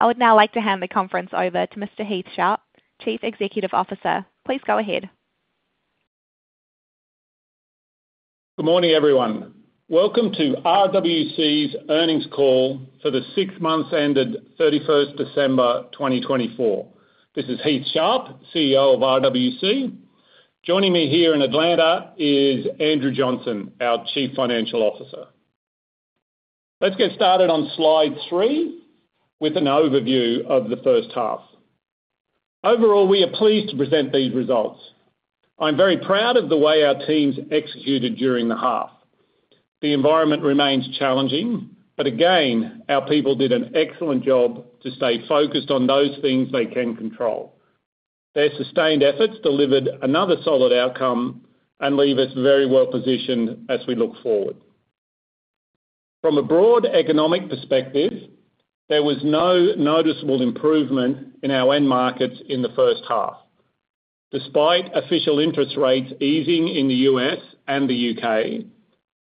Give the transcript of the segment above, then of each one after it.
I would now like to hand the conference over to Mr. Heath Sharp, Chief Executive Officer. Please go ahead. Good morning, everyone. Welcome to RWC's earnings call for the six months ended 31st December 2024. This is Heath Sharp, CEO of RWC. Joining me here in Atlanta is Andrew Johnson, our Chief Financial Officer. Let's get started on slide three with an overview of the first half. Overall, we are pleased to present these results. I'm very proud of the way our teams executed during the half. The environment remains challenging, but again, our people did an excellent job to stay focused on those things they can control. Their sustained efforts delivered another solid outcome and leave us very well positioned as we look forward. From a broad economic perspective, there was no noticeable improvement in our end markets in the first half. Despite official interest rates easing in the U.S. and the U.K.,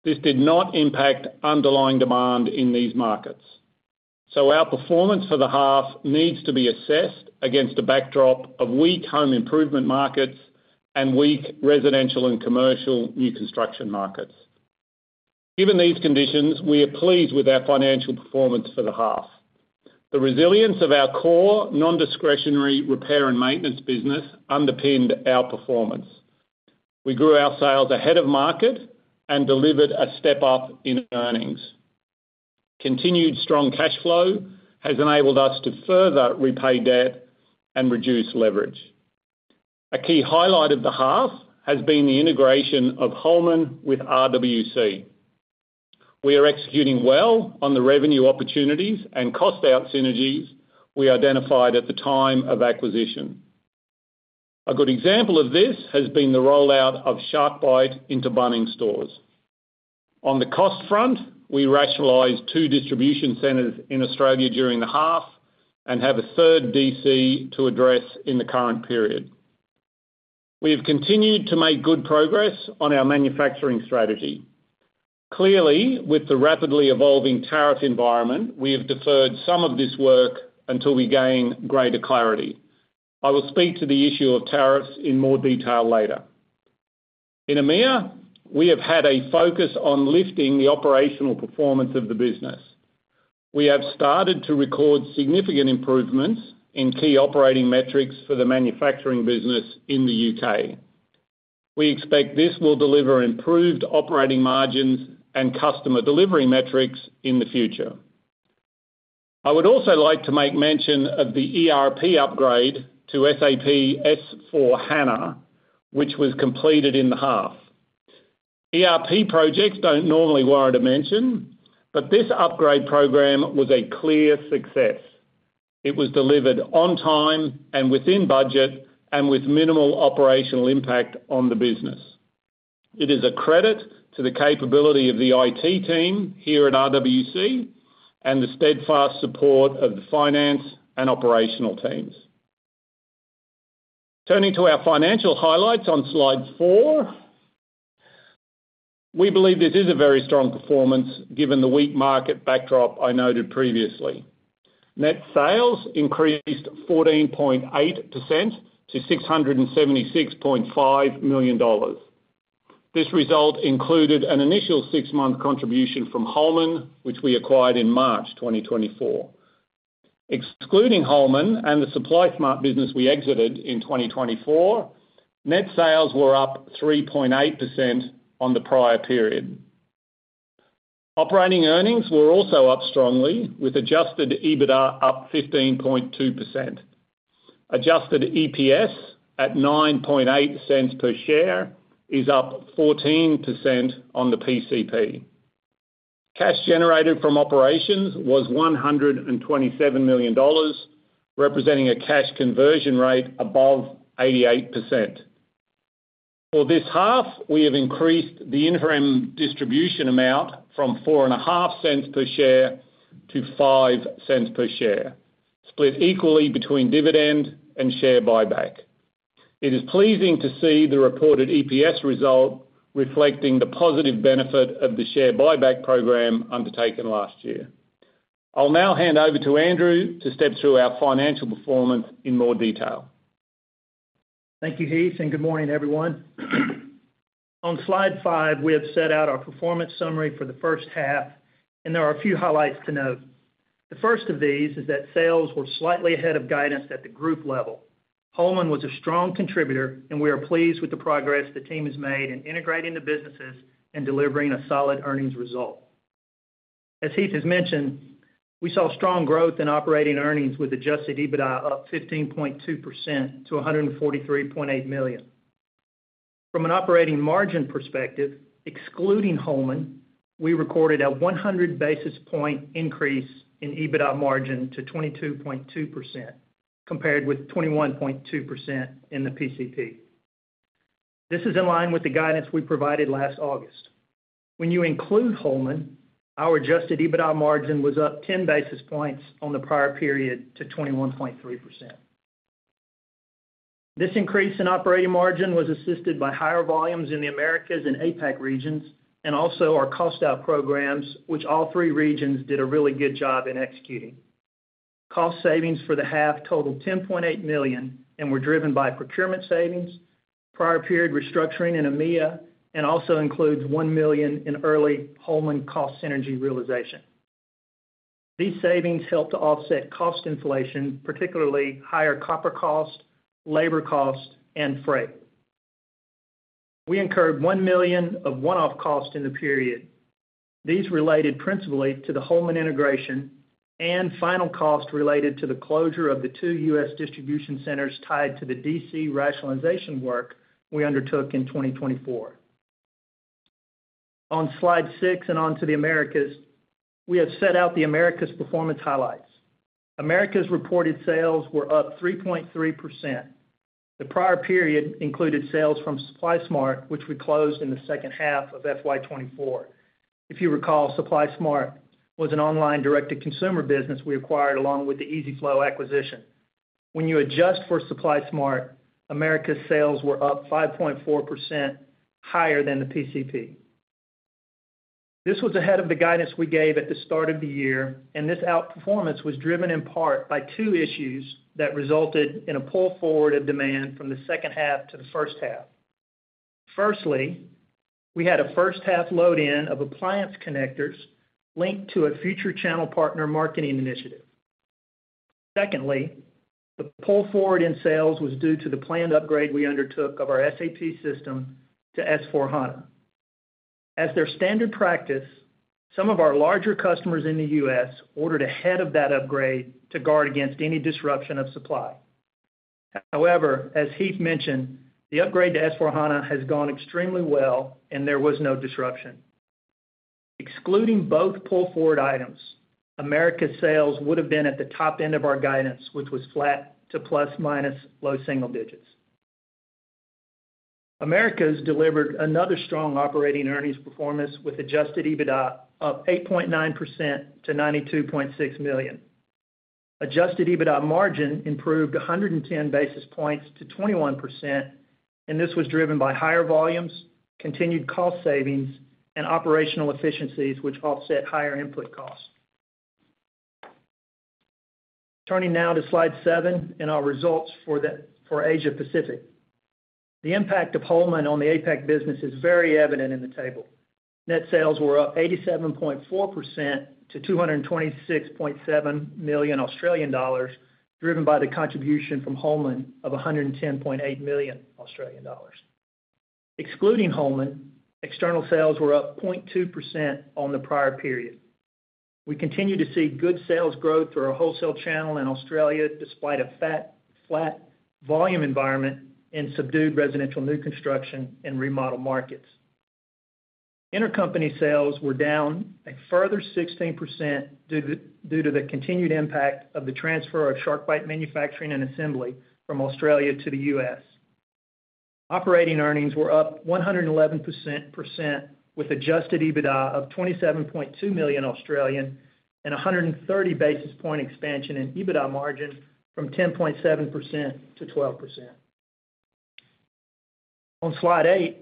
this did not impact underlying demand in these markets. So our performance for the half needs to be assessed against a backdrop of weak home improvement markets and weak residential and commercial new construction markets. Given these conditions, we are pleased with our financial performance for the half. The resilience of our core non-discretionary repair and maintenance business underpinned our performance. We grew our sales ahead of market and delivered a step up in earnings. Continued strong cash flow has enabled us to further repay debt and reduce leverage. A key highlight of the half has been the integration of Holman with RWC. We are executing well on the revenue opportunities and cost-out synergies we identified at the time of acquisition. A good example of this has been the rollout of SharkBite into Bunnings stores. On the cost front, we rationalized two distribution centers in Australia during the half and have a third DC to address in the current period. We have continued to make good progress on our manufacturing strategy. Clearly, with the rapidly evolving tariff environment, we have deferred some of this work until we gain greater clarity. I will speak to the issue of tariffs in more detail later. In EMEA, we have had a focus on lifting the operational performance of the business. We have started to record significant improvements in key operating metrics for the manufacturing business in the U.K.. We expect this will deliver improved operating margins and customer delivery metrics in the future. I would also like to make mention of the ERP upgrade to SAP S/4HANA, which was completed in the half. ERP projects don't normally warrant a mention, but this upgrade program was a clear success. It was delivered on time and within budget and with minimal operational impact on the business. It is a credit to the capability of the IT team here at RWC and the steadfast support of the finance and operational teams. Turning to our financial highlights on slide four, we believe this is a very strong performance given the weak market backdrop I noted previously. Net sales increased 14.8% to $676.5 million. This result included an initial six-month contribution from Holman, which we acquired in March 2024. Excluding Holman and the Supply Smart business we exited in 2024, net sales were up 3.8% on the prior period. Operating earnings were also up strongly, with Adjusted EBITDA up 15.2%. Adjusted EPS at $0.098 per share is up 14% on the PCP. Cash generated from operations was $127 million, representing a cash conversion rate above 88%. For this half, we have increased the interim distribution amount from $0.045 per share to $0.05 per share, split equally between dividend and share buyback. It is pleasing to see the reported EPS result reflecting the positive benefit of the share buyback program undertaken last year. I'll now hand over to Andrew to step through our financial performance in more detail. Thank you, Heath, and good morning, everyone. On slide five, we have set out our performance summary for the first half, and there are a few highlights to note. The first of these is that sales were slightly ahead of guidance at the group level. Holman was a strong contributor, and we are pleased with the progress the team has made in integrating the businesses and delivering a solid earnings result. As Heath has mentioned, we saw strong growth in operating earnings, with adjusted EBITDA up 15.2% to $143.8 million. From an operating margin perspective, excluding Holman, we recorded a 100 basis point increase in EBITDA margin to 22.2%, compared with 21.2% in the PCP. This is in line with the guidance we provided last August. When you include Holman, our adjusted EBITDA margin was up 10 basis points on the prior period to 21.3%. This increase in operating margin was assisted by higher volumes in the Americas and APAC regions, and also our cost-out programs, which all three regions did a really good job in executing. Cost savings for the half totaled $10.8 million and were driven by procurement savings, prior period restructuring in EMEA, and also includes $1 million in early Holman cost synergy realization. These savings helped to offset cost inflation, particularly higher copper cost, labor cost, and freight. We incurred $1 million of one-off cost in the period. These related principally to the Holman integration and final cost related to the closure of the two U.S. distribution centers tied to the DC rationalization work we undertook in 2024. On slide six and on to the Americas, we have set out the Americas performance highlights. Americas reported sales were up 3.3%. The prior period included sales from Supply Smart, which we closed in the second half of FY24. If you recall, Supply Smart was an online direct-to-consumer business we acquired along with the EZ-FLO acquisition. When you adjust for Supply Smart, Americas sales were up 5.4% higher than the PCP. This was ahead of the guidance we gave at the start of the year, and this outperformance was driven in part by two issues that resulted in a pull forward of demand from the second half to the first half. Firstly, we had a first-half load-in of appliance connectors linked to a future channel partner marketing initiative. Secondly, the pull forward in sales was due to the planned upgrade we undertook of our SAP system to S/4HANA. As their standard practice, some of our larger customers in the U.S. ordered ahead of that upgrade to guard against any disruption of supply. However, as Heath mentioned, the upgrade to S/4HANA has gone extremely well, and there was no disruption. Excluding both pull forward items, America sales would have been at the top end of our guidance, which was flat to plus/minus low single digits. America has delivered another strong operating earnings performance with adjusted EBITDA up 8.9% to $92.6 million. Adjusted EBITDA margin improved 110 basis points to 21%, and this was driven by higher volumes, continued cost savings, and operational efficiencies, which offset higher input cost. Turning now to slide seven and our results for Asia-Pacific. The impact of Holman on the APAC business is very evident in the table. Net sales were up 87.4% to 226.7 million Australian dollars, driven by the contribution from Holman of 110.8 million Australian dollars. Excluding Holman, external sales were up 0.2% on the prior period. We continue to see good sales growth through our wholesale channel in Australia, despite a flat volume environment in subdued residential new construction and remodel markets. Intercompany sales were down a further 16% due to the continued impact of the transfer of SharkBite manufacturing and assembly from Australia to the U.S. Operating earnings were up 111% with adjusted EBITDA of 27.2 million and 130 basis points expansion in EBITDA margin from 10.7% to 12%. On slide eight,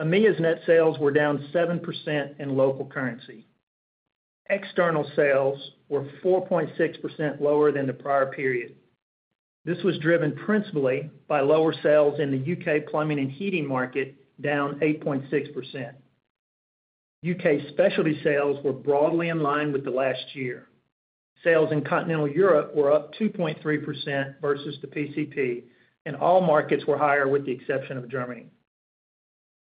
EMEA's net sales were down 7% in local currency. External sales were 4.6% lower than the prior period. This was driven principally by lower sales in the U.K. plumbing and heating market, down 8.6%. U.K. specialty sales were broadly in line with the last year. Sales in Continental Europe were up 2.3% versus the PCP, and all markets were higher with the exception of Germany.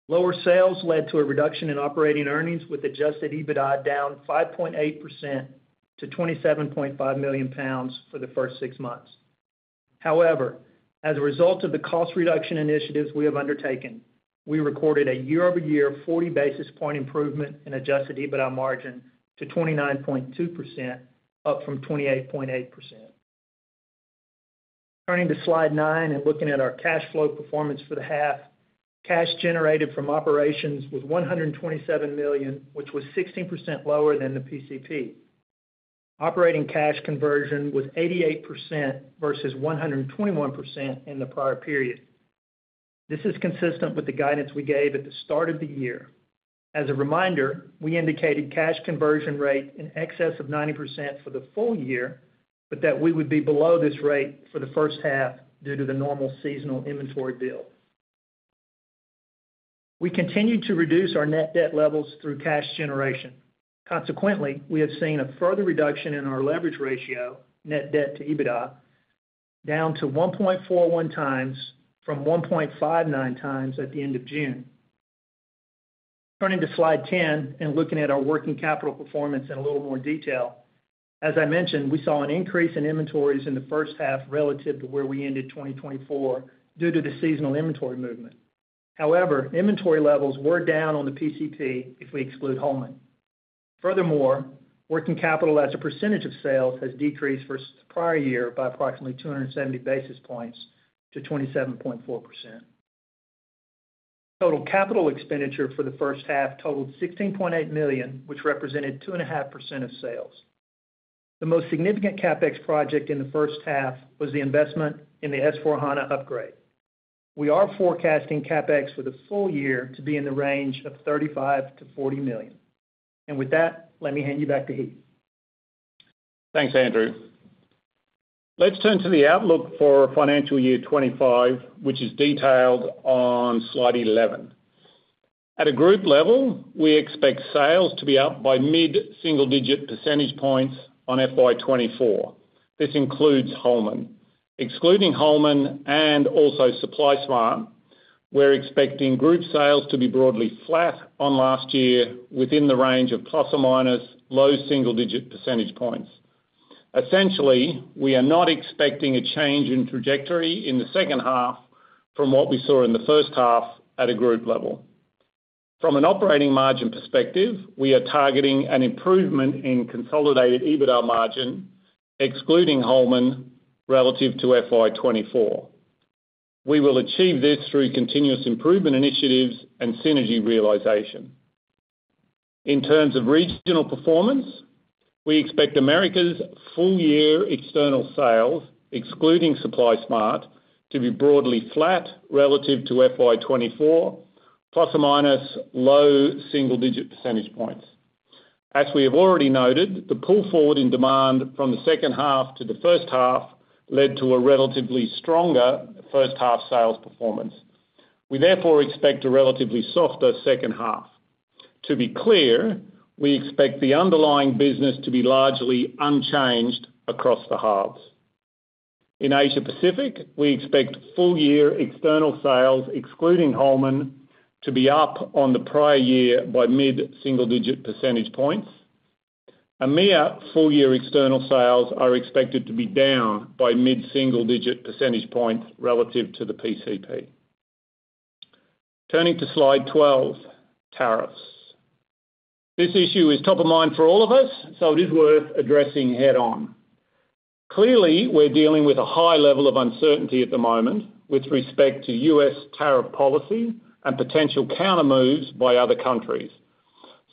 Lower sales led to a reduction in operating earnings, with adjusted EBITDA down 5.8% to 27.5 million pounds for the first six months. However, as a result of the cost reduction initiatives we have undertaken, we recorded a year-over-year 40 basis point improvement in adjusted EBITDA margin to 29.2%, up from 28.8%. Turning to slide nine and looking at our cash flow performance for the half, cash generated from operations was $127 million, which was 16% lower than the PCP. Operating cash conversion was 88% versus 121% in the prior period. This is consistent with the guidance we gave at the start of the year. As a reminder, we indicated cash conversion rate in excess of 90% for the full year, but that we would be below this rate for the first half due to the normal seasonal inventory build. We continued to reduce our net debt levels through cash generation. Consequently, we have seen a further reduction in our leverage ratio, net debt to EBITDA, down to 1.41 times from 1.59 times at the end of June. Turning to slide ten and looking at our working capital performance in a little more detail, as I mentioned, we saw an increase in inventories in the first half relative to where we ended 2024 due to the seasonal inventory movement. However, inventory levels were down on the PCP if we exclude Holman. Furthermore, working capital as a percentage of sales has decreased for the prior year by approximately 270 basis points to 27.4%. Total capital expenditure for the first half totaled $16.8 million, which represented 2.5% of sales. The most significant CapEx project in the first half was the investment in the S/4HANA upgrade. We are forecasting CapEx for the full year to be in the range of $35-$40 million. With that, let me hand you back to Heath. Thanks, Andrew. Let's turn to the outlook for financial year 25, which is detailed on slide 11. At a group level, we expect sales to be up by mid-single-digit percentage points on FY24. This includes Holman. Excluding Holman and also Supply Smart, we're expecting group sales to be broadly flat on last year, within the range of plus or minus low single-digit percentage points. Essentially, we are not expecting a change in trajectory in the second half from what we saw in the first half at a group level. From an operating margin perspective, we are targeting an improvement in consolidated EBITDA margin, excluding Holman, relative to FY24. We will achieve this through continuous improvement initiatives and synergy realization. In terms of regional performance, we expect Americas' full-year external sales, excluding Supply Smart, to be broadly flat relative to FY24, plus or minus low single-digit percentage points. As we have already noted, the pull forward in demand from the second half to the first half led to a relatively stronger first-half sales performance. We therefore expect a relatively softer second half. To be clear, we expect the underlying business to be largely unchanged across the halves. In Asia-Pacific, we expect full-year external sales, excluding Holman, to be up on the prior year by mid-single-digit percentage points. EMEA full-year external sales are expected to be down by mid-single-digit percentage points relative to the PCP. Turning to slide 12, tariffs. This issue is top of mind for all of us, so it is worth addressing head-on. Clearly, we're dealing with a high level of uncertainty at the moment with respect to U.S. tariff policy and potential counter moves by other countries.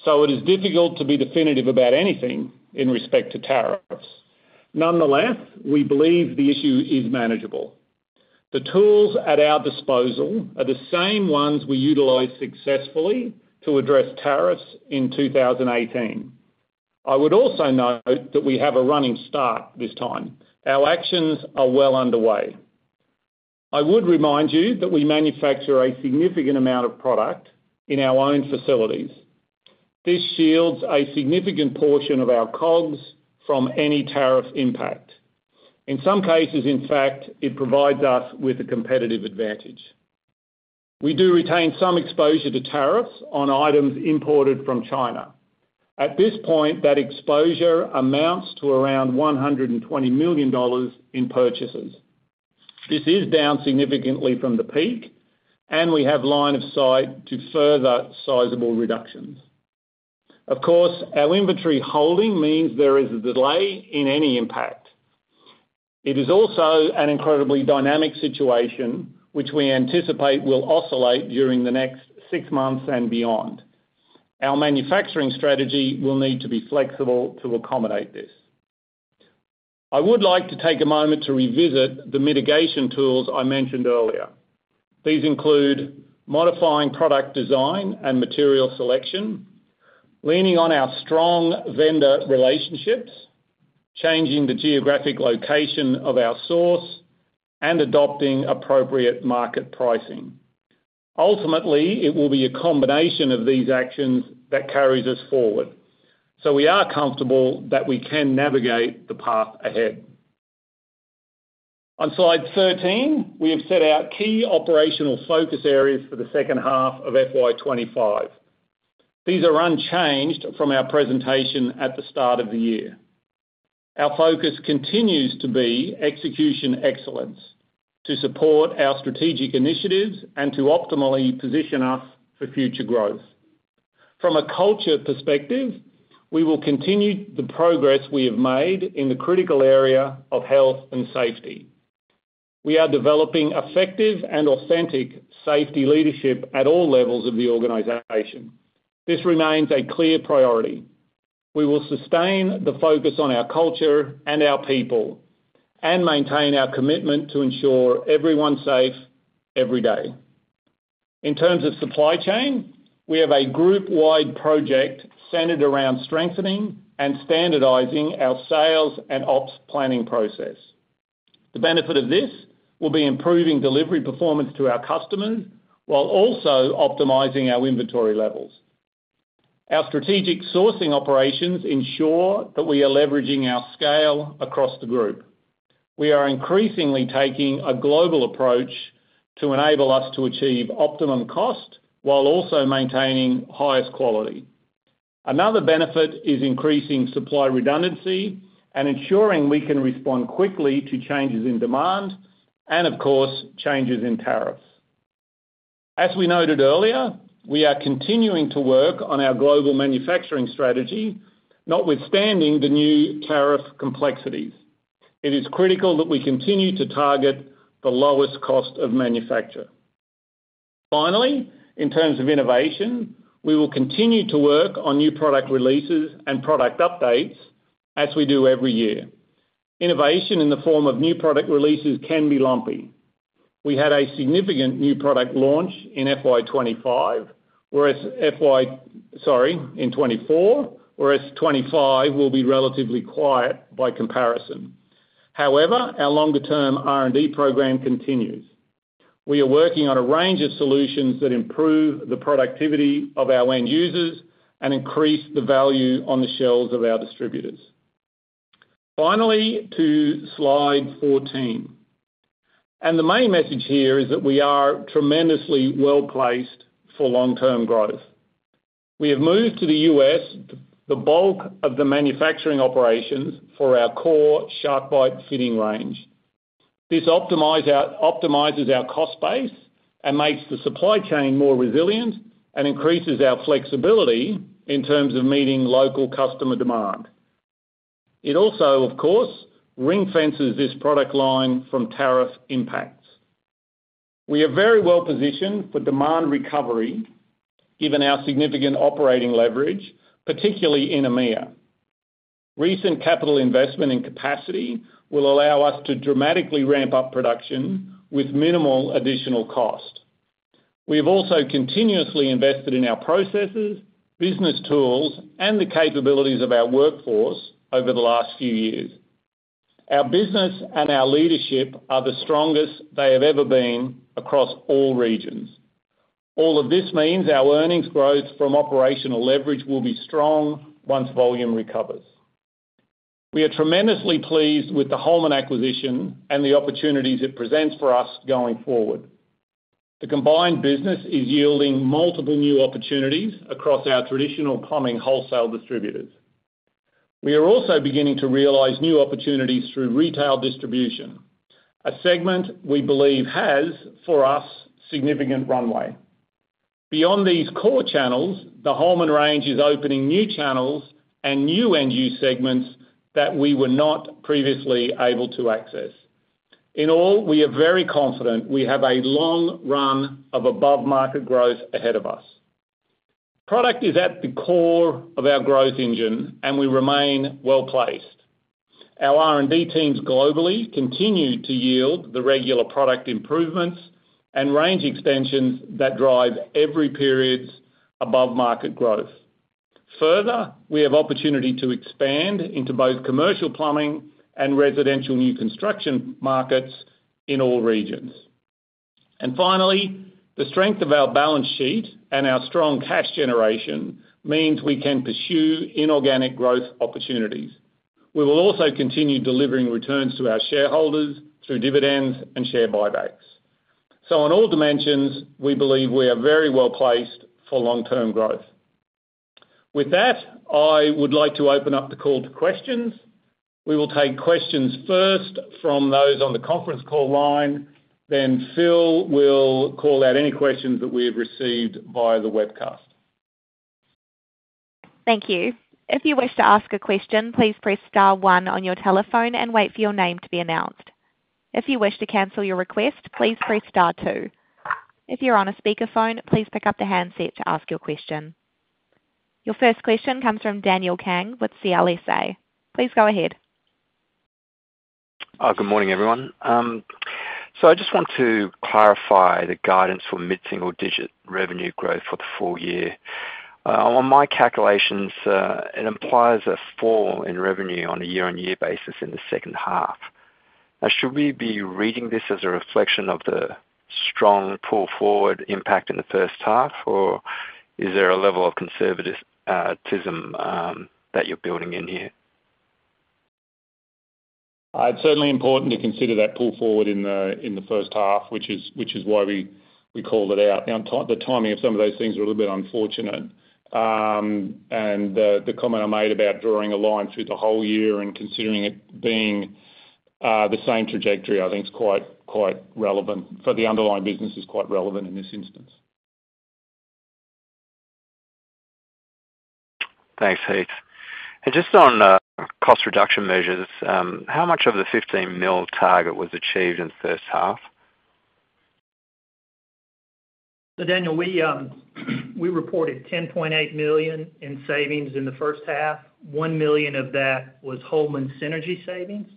So it is difficult to be definitive about anything in respect to tariffs. Nonetheless, we believe the issue is manageable. The tools at our disposal are the same ones we utilized successfully to address tariffs in 2018. I would also note that we have a running start this time. Our actions are well underway. I would remind you that we manufacture a significant amount of product in our own facilities. This shields a significant portion of our COGS from any tariff impact. In some cases, in fact, it provides us with a competitive advantage. We do retain some exposure to tariffs on items imported from China. At this point, that exposure amounts to around $120 million in purchases. This is down significantly from the peak, and we have line of sight to further sizable reductions. Of course, our inventory holding means there is a delay in any impact. It is also an incredibly dynamic situation, which we anticipate will oscillate during the next six months and beyond. Our manufacturing strategy will need to be flexible to accommodate this. I would like to take a moment to revisit the mitigation tools I mentioned earlier. These include modifying product design and material selection, leaning on our strong vendor relationships, changing the geographic location of our source, and adopting appropriate market pricing. Ultimately, it will be a combination of these actions that carries us forward. So we are comfortable that we can navigate the path ahead. On slide 13, we have set out key operational focus areas for the second half of FY25. These are unchanged from our presentation at the start of the year. Our focus continues to be execution excellence to support our strategic initiatives and to optimally position us for future growth. From a culture perspective, we will continue the progress we have made in the critical area of health and safety. We are developing effective and authentic safety leadership at all levels of the organization. This remains a clear priority. We will sustain the focus on our culture and our people and maintain our commitment to ensure everyone's safe every day. In terms of supply chain, we have a group-wide project centered around strengthening and standardizing our sales and ops planning process. The benefit of this will be improving delivery performance to our customers while also optimizing our inventory levels. Our strategic sourcing operations ensure that we are leveraging our scale across the group. We are increasingly taking a global approach to enable us to achieve optimum cost while also maintaining highest quality. Another benefit is increasing supply redundancy and ensuring we can respond quickly to changes in demand and, of course, changes in tariffs. As we noted earlier, we are continuing to work on our global manufacturing strategy, notwithstanding the new tariff complexities. It is critical that we continue to target the lowest cost of manufacture. Finally, in terms of innovation, we will continue to work on new product releases and product updates as we do every year. Innovation in the form of new product releases can be lumpy. We had a significant new product launch in FY24, sorry, in 2024, whereas 2025 will be relatively quiet by comparison. However, our longer-term R&D program continues. We are working on a range of solutions that improve the productivity of our end users and increase the value on the shelves of our distributors. Finally, to slide 14. The main message here is that we are tremendously well placed for long-term growth. We have moved to the U.S. the bulk of the manufacturing operations for our core SharkBite fitting range. This optimizes our cost base and makes the supply chain more resilient and increases our flexibility in terms of meeting local customer demand. It also, of course, ring-fences this product line from tariff impacts. We are very well positioned for demand recovery, given our significant operating leverage, particularly in EMEA. Recent capital investment in capacity will allow us to dramatically ramp up production with minimal additional cost. We have also continuously invested in our processes, business tools, and the capabilities of our workforce over the last few years. Our business and our leadership are the strongest they have ever been across all regions. All of this means our earnings growth from operational leverage will be strong once volume recovers. We are tremendously pleased with the Holman acquisition and the opportunities it presents for us going forward. The combined business is yielding multiple new opportunities across our traditional plumbing wholesale distributors. We are also beginning to realize new opportunities through retail distribution, a segment we believe has, for us, significant runway. Beyond these core channels, the Holman range is opening new channels and new end-use segments that we were not previously able to access. In all, we are very confident we have a long run of above-market growth ahead of us. Product is at the core of our growth engine, and we remain well placed. Our R&D teams globally continue to yield the regular product improvements and range extensions that drive every period's above-market growth. Further, we have opportunity to expand into both commercial plumbing and residential new construction markets in all regions. And finally, the strength of our balance sheet and our strong cash generation means we can pursue inorganic growth opportunities. We will also continue delivering returns to our shareholders through dividends and share buybacks. So on all dimensions, we believe we are very well placed for long-term growth. With that, I would like to open up the call to questions. We will take questions first from those on the conference call line. Then Phil will call out any questions that we have received via the webcast. Thank you. If you wish to ask a question, please press star one on your telephone and wait for your name to be announced. If you wish to cancel your request, please press star two. If you're on a speakerphone, please pick up the handset to ask your question. Your first question comes from Daniel Kang with CLSA. Please go ahead. Good morning, everyone. So I just want to clarify the guidance for mid-single-digit revenue growth for the full year. On my calculations, it implies a fall in revenue on a year-over-year basis in the second half. Now, should we be reading this as a reflection of the strong pull forward impact in the first half, or is there a level of conservatism that you're building in here? It's certainly important to consider that pull forward in the first half, which is why we call it out. The timing of some of those things is a little bit unfortunate. The comment I made about drawing a line through the whole year and considering it being the same trajectory, I think is quite relevant. For the underlying business, it's quite relevant in this instance. Thanks, Heath. And just on cost reduction measures, how much of the $15 million target was achieved in the first half? So, Daniel, we reported $10.8 million in savings in the first half. $1 million of that was Holman Synergy savings.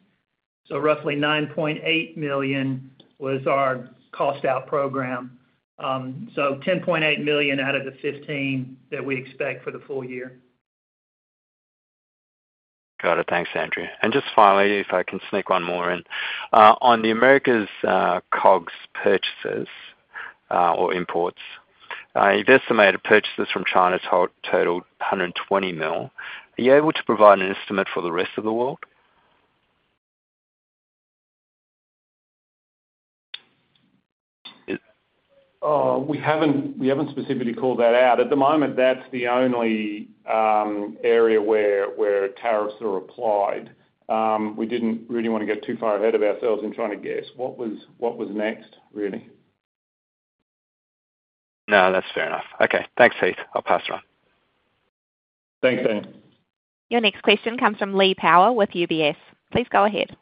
So roughly $9.8 million was our cost-out program. So $10.8 million out of the $15 that we expect for the full year. Got it. Thanks, Andrew. And just finally, if I can sneak one more in. On the Americas' COGS purchases or imports, you've estimated purchases from China totaled $120 million. Are you able to provide an estimate for the rest of the world? We haven't specifically called that out. At the moment, that's the only area where tariffs are applied. We didn't really want to get too far ahead of ourselves in trying to guess what was next, really. No, that's fair enough. Okay. Thanks, Heath. I'll pass it on. Thanks, Daniel. Your next question comes from Lee Power with UBS. Please go ahead.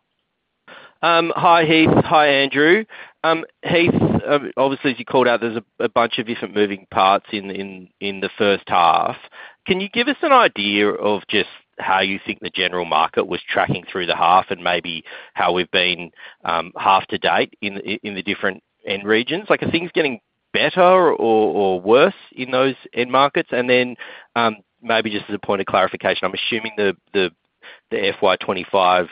Hi, Heath. Hi, Andrew. Heath, obviously, as you called out, there's a bunch of different moving parts in the first half. Can you give us an idea of just how you think the general market was tracking through the half and maybe how we've been half to date in the different end markets? Are things getting better or worse in those end markets? And then maybe just as a point of clarification, I'm assuming the FY25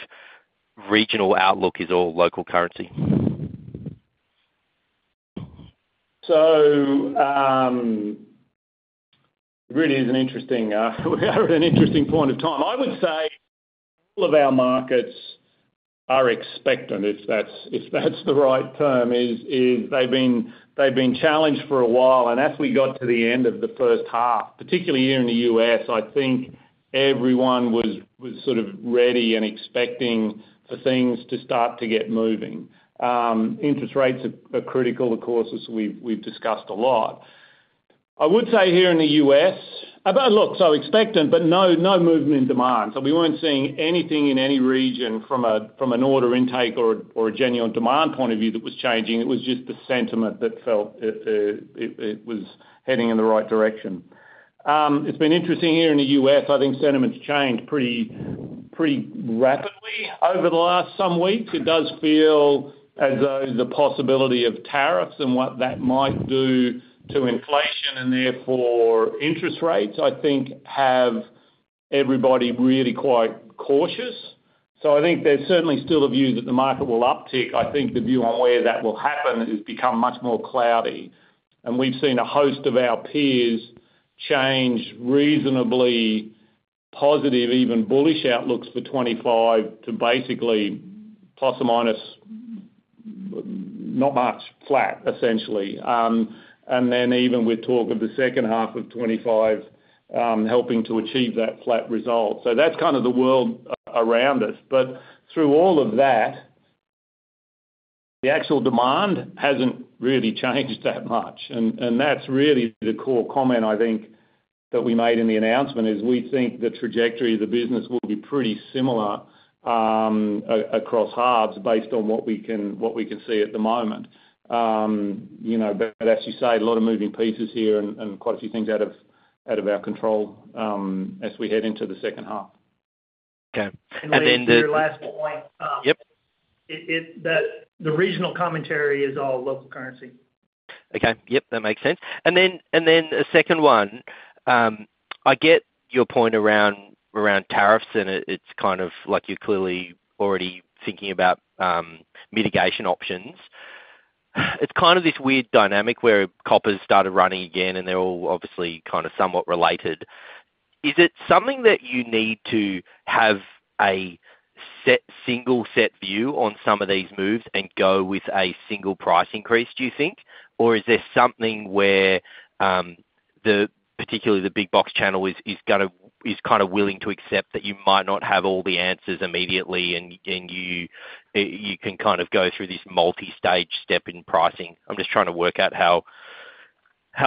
regional outlook is all local currency. Really is an interesting point in time. We are at an interesting point in time. I would say all of our markets are expectant, if that's the right term, as they've been challenged for a while. As we got to the end of the first half, particularly here in the U.S., I think everyone was sort of ready and expecting for things to start to get moving. Interest rates are critical, of course, as we've discussed a lot. I would say here in the U.S., look, so expectant, but no movement in demand. We weren't seeing anything in any region from an order intake or a genuine demand point of view that was changing. It was just the sentiment that felt it was heading in the right direction. It's been interesting here in the U.S. I think sentiment's changed pretty rapidly over the last some weeks. It does feel as though the possibility of tariffs and what that might do to inflation and therefore interest rates, I think, have everybody really quite cautious. So I think there's certainly still a view that the market will uptick. I think the view on where that will happen has become much more cloudy. And we've seen a host of our peers change reasonably positive, even bullish outlooks for 2025 to basically plus or minus not much, flat, essentially. And then even with talk of the second half of 2025 helping to achieve that flat result. So that's kind of the world around us. But through all of that, the actual demand hasn't really changed that much. And that's really the core comment, I think, that we made in the announcement, is we think the trajectory of the business will be pretty similar across halves based on what we can see at the moment. But as you say, a lot of moving pieces here and quite a few things out of our control as we head into the second half. Okay, and then the. And then your last point. Yep. The regional commentary is all local currency. Okay. Yep. That makes sense. And then a second one. I get your point around tariffs, and it's kind of like you're clearly already thinking about mitigation options. It's kind of this weird dynamic where COP has started running again, and they're all obviously kind of somewhat related. Is it something that you need to have a single set view on some of these moves and go with a single price increase, do you think? Or is there something where particularly the big box channel is kind of willing to accept that you might not have all the answers immediately, and you can kind of go through this multi-stage step in pricing? I'm just trying to work out how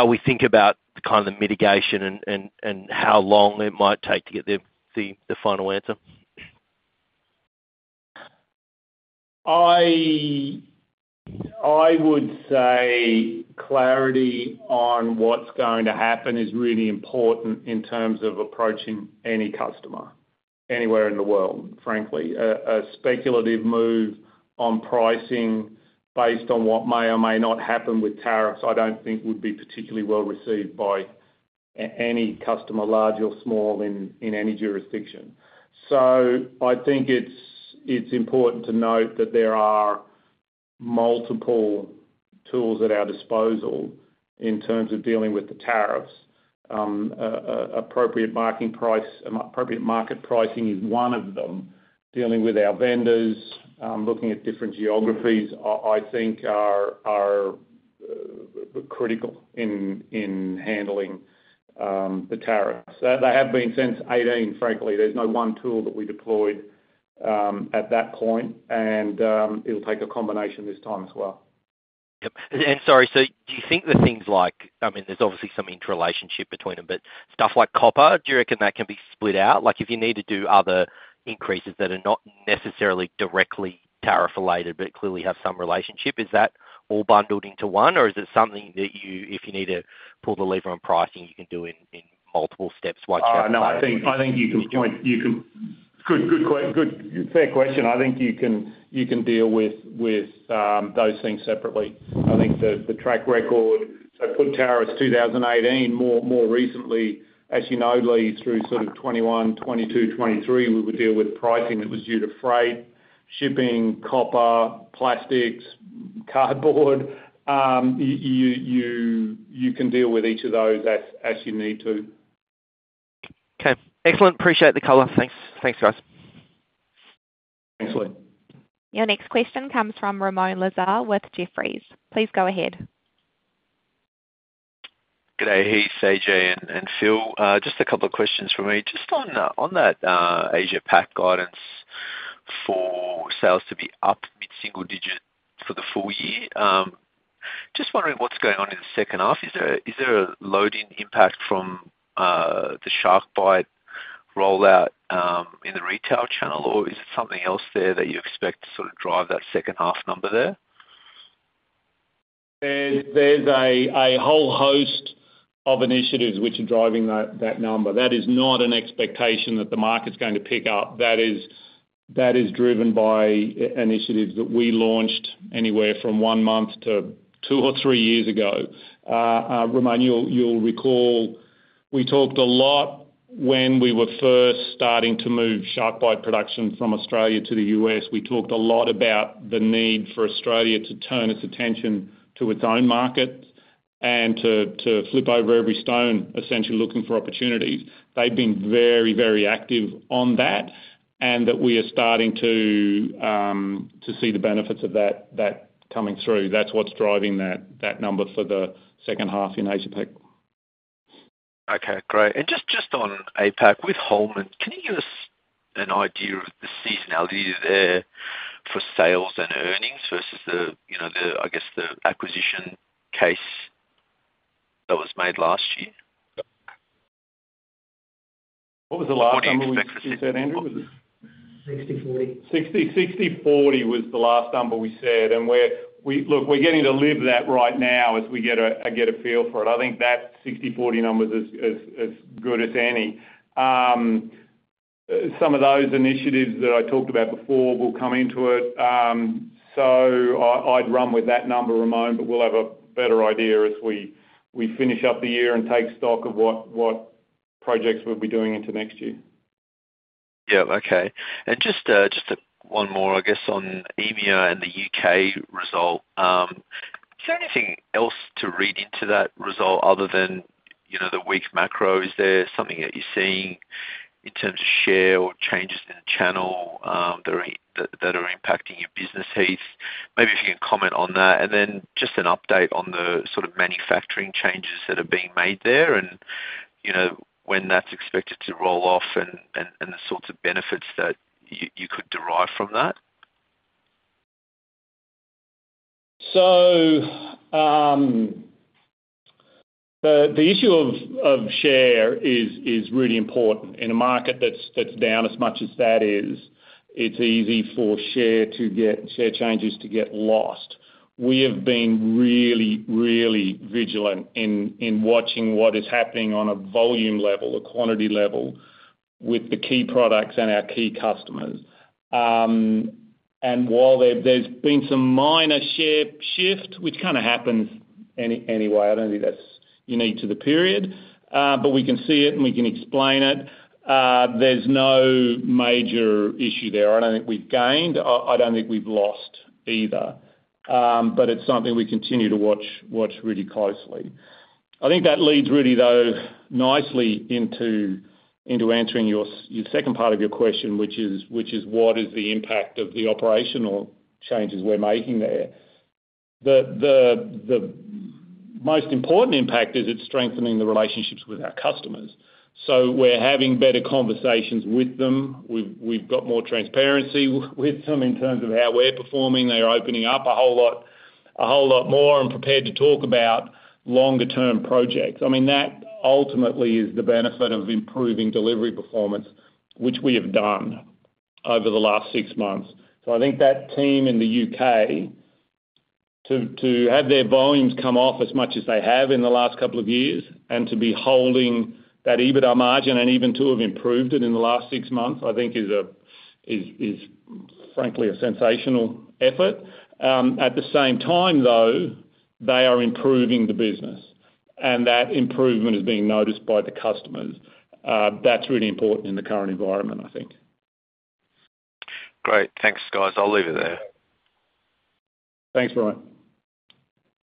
we think about kind of the mitigation and how long it might take to get the final answer. I would say clarity on what's going to happen is really important in terms of approaching any customer anywhere in the world, frankly. A speculative move on pricing based on what may or may not happen with tariffs, I don't think would be particularly well received by any customer, large or small, in any jurisdiction. So I think it's important to note that there are multiple tools at our disposal in terms of dealing with the tariffs. Appropriate market pricing is one of them. Dealing with our vendors, looking at different geographies, I think, are critical in handling the tariffs. They have been since 2018, frankly. There's no one tool that we deployed at that point, and it'll take a combination this time as well. Yep, and sorry, so do you think that things like, I mean, there's obviously some interrelationship between them, but stuff like copper, do you reckon that can be split out? If you need to do other increases that are not necessarily directly tariff-related but clearly have some relationship, is that all bundled into one? Or is it something that if you need to pull the lever on pricing, you can do in multiple steps one chapter at a time? No, I think that's a good, fair question. I think you can deal with those things separately. I think the track record, so post tariffs 2018, more recently, as you know, Lee, through sort of 2021, 2022, 2023, we were dealing with pricing that was due to freight, shipping, copper, plastics, cardboard. You can deal with each of those as you need to. Okay. Excellent. Appreciate the color. Thanks, guys. Thanks, Lee. Your next question comes from Ramoun Lazar with Jefferies. Please go ahead. Good day. Heath, AJ, and Phil. Just a couple of questions for me. Just on that Asia-Pac guidance for sales to be up mid-single digit for the full year, just wondering what's going on in the second half. Is there a loading impact from the SharkBite rollout in the retail channel, or is it something else there that you expect to sort of drive that second half number there? There's a whole host of initiatives which are driving that number. That is not an expectation that the market's going to pick up. That is driven by initiatives that we launched anywhere from one month to two or three years ago. Ramoun, you'll recall we talked a lot when we were first starting to move SharkBite production from Australia to the U.S. We talked a lot about the need for Australia to turn its attention to its own market and to flip over every stone, essentially looking for opportunities. They've been very, very active on that, and that we are starting to see the benefits of that coming through. That's what's driving that number for the second half in Asia-Pac. Okay. Great. And just on APAC with Holman, can you give us an idea of the seasonality there for sales and earnings versus the, I guess, the acquisition case that was made last year? What was the last number you said, Andrew? 60/40. 60/40 was the last number we said, and look, we're getting to live that right now as we get a feel for it. I think that 60/40 number is as good as any. Some of those initiatives that I talked about before will come into it, so I'd run with that number a moment, but we'll have a better idea as we finish up the year and take stock of what projects we'll be doing into next year. Yep. Okay. And just one more, I guess, on EMEA and the U.K. result. Is there anything else to read into that result other than the weak macro? Is there something that you're seeing in terms of share or changes in the channel that are impacting your business, Heath? Maybe if you can comment on that. And then just an update on the sort of manufacturing changes that are being made there and when that's expected to roll off and the sorts of benefits that you could derive from that. So the issue of share is really important. In a market that's down as much as that is, it's easy for share changes to get lost. We have been really, really vigilant in watching what is happening on a volume level, a quantity level with the key products and our key customers. And while there's been some minor shift, which kind of happens anyway, I don't think that's unique to the period, but we can see it and we can explain it. There's no major issue there. I don't think we've gained. I don't think we've lost either. But it's something we continue to watch really closely. I think that leads really, though, nicely into answering your second part of your question, which is what is the impact of the operational changes we're making there? The most important impact is it's strengthening the relationships with our customers. So we're having better conversations with them. We've got more transparency with them in terms of how we're performing. They're opening up a whole lot more and prepared to talk about longer-term projects. I mean, that ultimately is the benefit of improving delivery performance, which we have done over the last six months. So I think that team in the U.K., to have their volumes come off as much as they have in the last couple of years and to be holding that EBITDA margin and even to have improved it in the last six months, I think is, frankly, a sensational effort. At the same time, though, they are improving the business, and that improvement is being noticed by the customers. That's really important in the current environment, I think. Great. Thanks, guys. I'll leave it there. Thanks, Ramoun.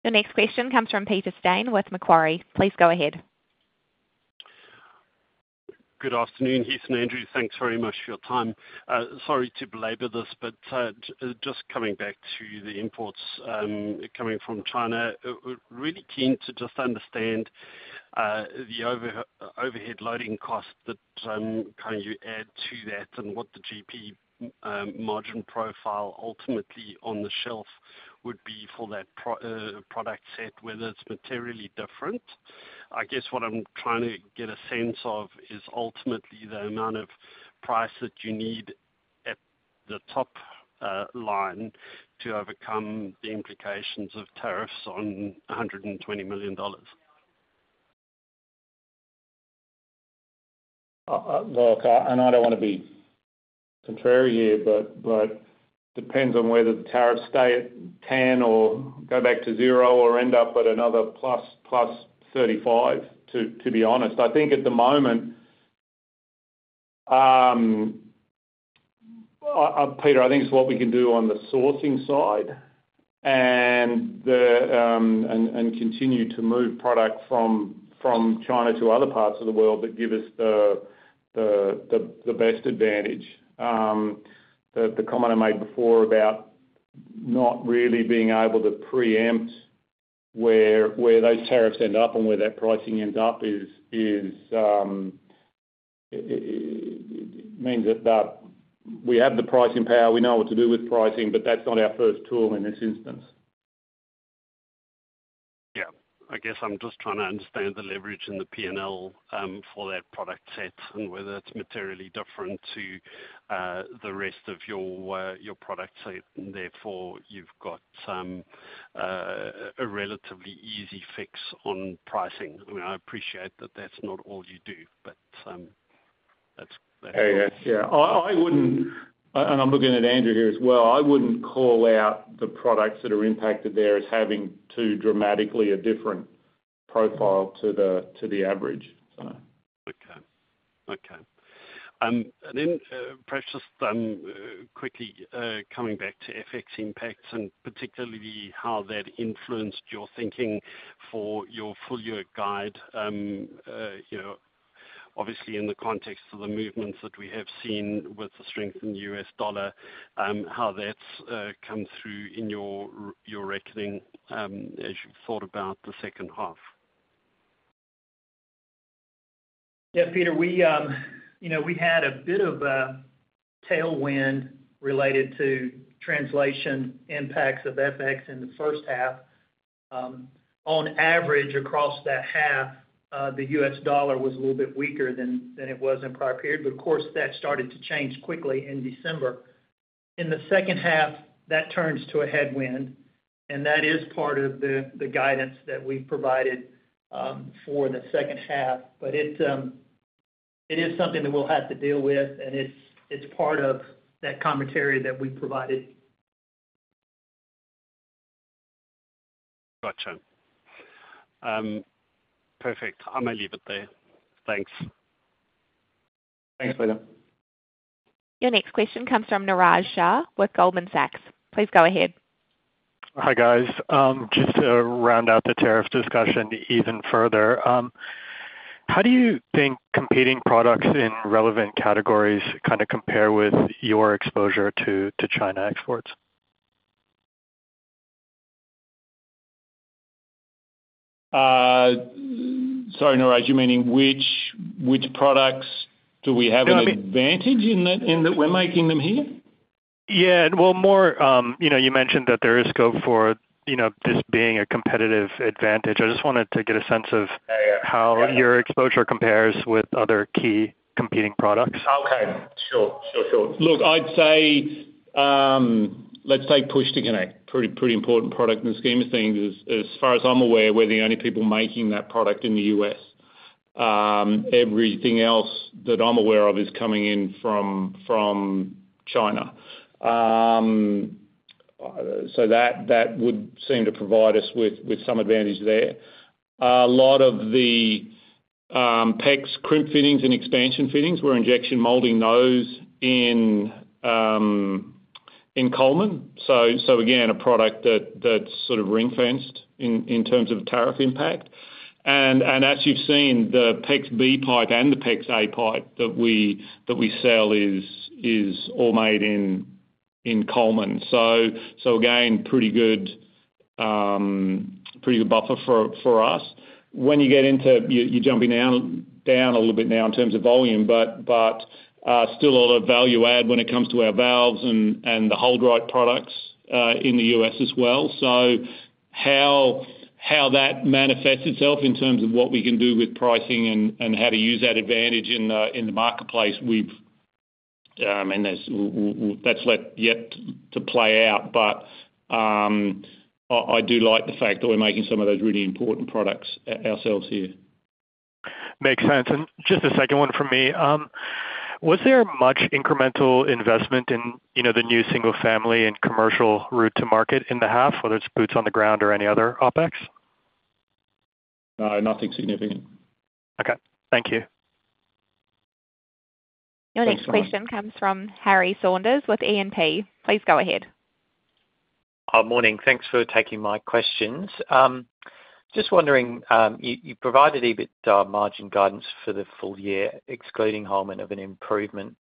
Your next question comes from Peter Steyn with Macquarie. Please go ahead. Good afternoon, Heath and Andrew. Thanks very much for your time. Sorry to belabor this, but just coming back to the imports coming from China, really keen to just understand the overhead loading cost that you can add to that and what the GP margin profile ultimately on the shelf would be for that product set, whether it's materially different. I guess what I'm trying to get a sense of is ultimately the amount of price that you need at the top line to overcome the implications of tariffs on $120 million. Look, and I don't want to be contrary here, but it depends on whether the tariffs can go back to zero or end up at another plus 35, to be honest. I think at the moment, Peter, I think it's what we can do on the sourcing side and continue to move product from China to other parts of the world that give us the best advantage. The comment I made before about not really being able to preempt where those tariffs end up and where that pricing ends up means that we have the pricing power. We know what to do with pricing, but that's not our first tool in this instance. Yep. I guess I'm just trying to understand the leverage and the P&L for that product set and whether it's materially different to the rest of your product set, and therefore you've got a relatively easy fix on pricing. I mean, I appreciate that that's not all you do, but that's what it is. Yeah. And I'm looking at Andrew here as well. I wouldn't call out the products that are impacted there as having too dramatically a different profile to the average, so. And then perhaps just quickly coming back to FX impacts and particularly how that influenced your thinking for your full-year guide, obviously in the context of the movements that we have seen with the strengthened U.S. dollar, how that's come through in your reckoning as you've thought about the second half? Yeah, Peter, we had a bit of tailwind related to translation impacts of FX in the first half. On average, across that half, the U.S. dollar was a little bit weaker than it was in prior period. But of course, that started to change quickly in December. In the second half, that turns to a headwind, and that is part of the guidance that we've provided for the second half. But it is something that we'll have to deal with, and it's part of that commentary that we provided. Gotcha. Perfect. I'm going to leave it there. Thanks. Thanks, Peter. Your next question comes from Niraj Shah with Goldman Sachs. Please go ahead. Hi, guys. Just to round out the tariff discussion even further, how do you think competing products in relevant categories kind of compare with your exposure to China exports? Sorry, Niraj, you meaning which products do we have an advantage in that we're making them here? Yeah. Well, you mentioned that there is scope for this being a competitive advantage. I just wanted to get a sense of how your exposure compares with other key competing products. Okay. Sure. Look, I'd say let's take Push-to-Connect. Pretty important product in the scheme of things. As far as I'm aware, we're the only people making that product in the U.S. Everything else that I'm aware of is coming in from China. So that would seem to provide us with some advantage there. A lot of the PEX crimp fittings and expansion fittings were injection molded in Holman. So again, a product that's sort of ring-fenced in terms of tariff impact. And as you've seen, the PEX-b pipe and the PEX-a pipe that we sell is all made in Holman. So again, pretty good buffer for us. When you get into, you're jumping down a little bit now in terms of volume, but still a lot of value add when it comes to our valves and the Holdrite products in the U.S. as well. So how that manifests itself in terms of what we can do with pricing and how to use that advantage in the marketplace, I mean, that's yet to play out. But I do like the fact that we're making some of those really important products ourselves here. Makes sense. And just a second one from me. Was there much incremental investment in the new single-family and commercial route to market in the half, whether it's boots on the ground or any other OpEx? No, nothing significant. Okay. Thank you. Your next question comes from Harry Saunders with E&P. Please go ahead. Morning. Thanks for taking my questions. Just wondering, you provided EBITDA margin guidance for the full year, excluding Holman, of an improvement.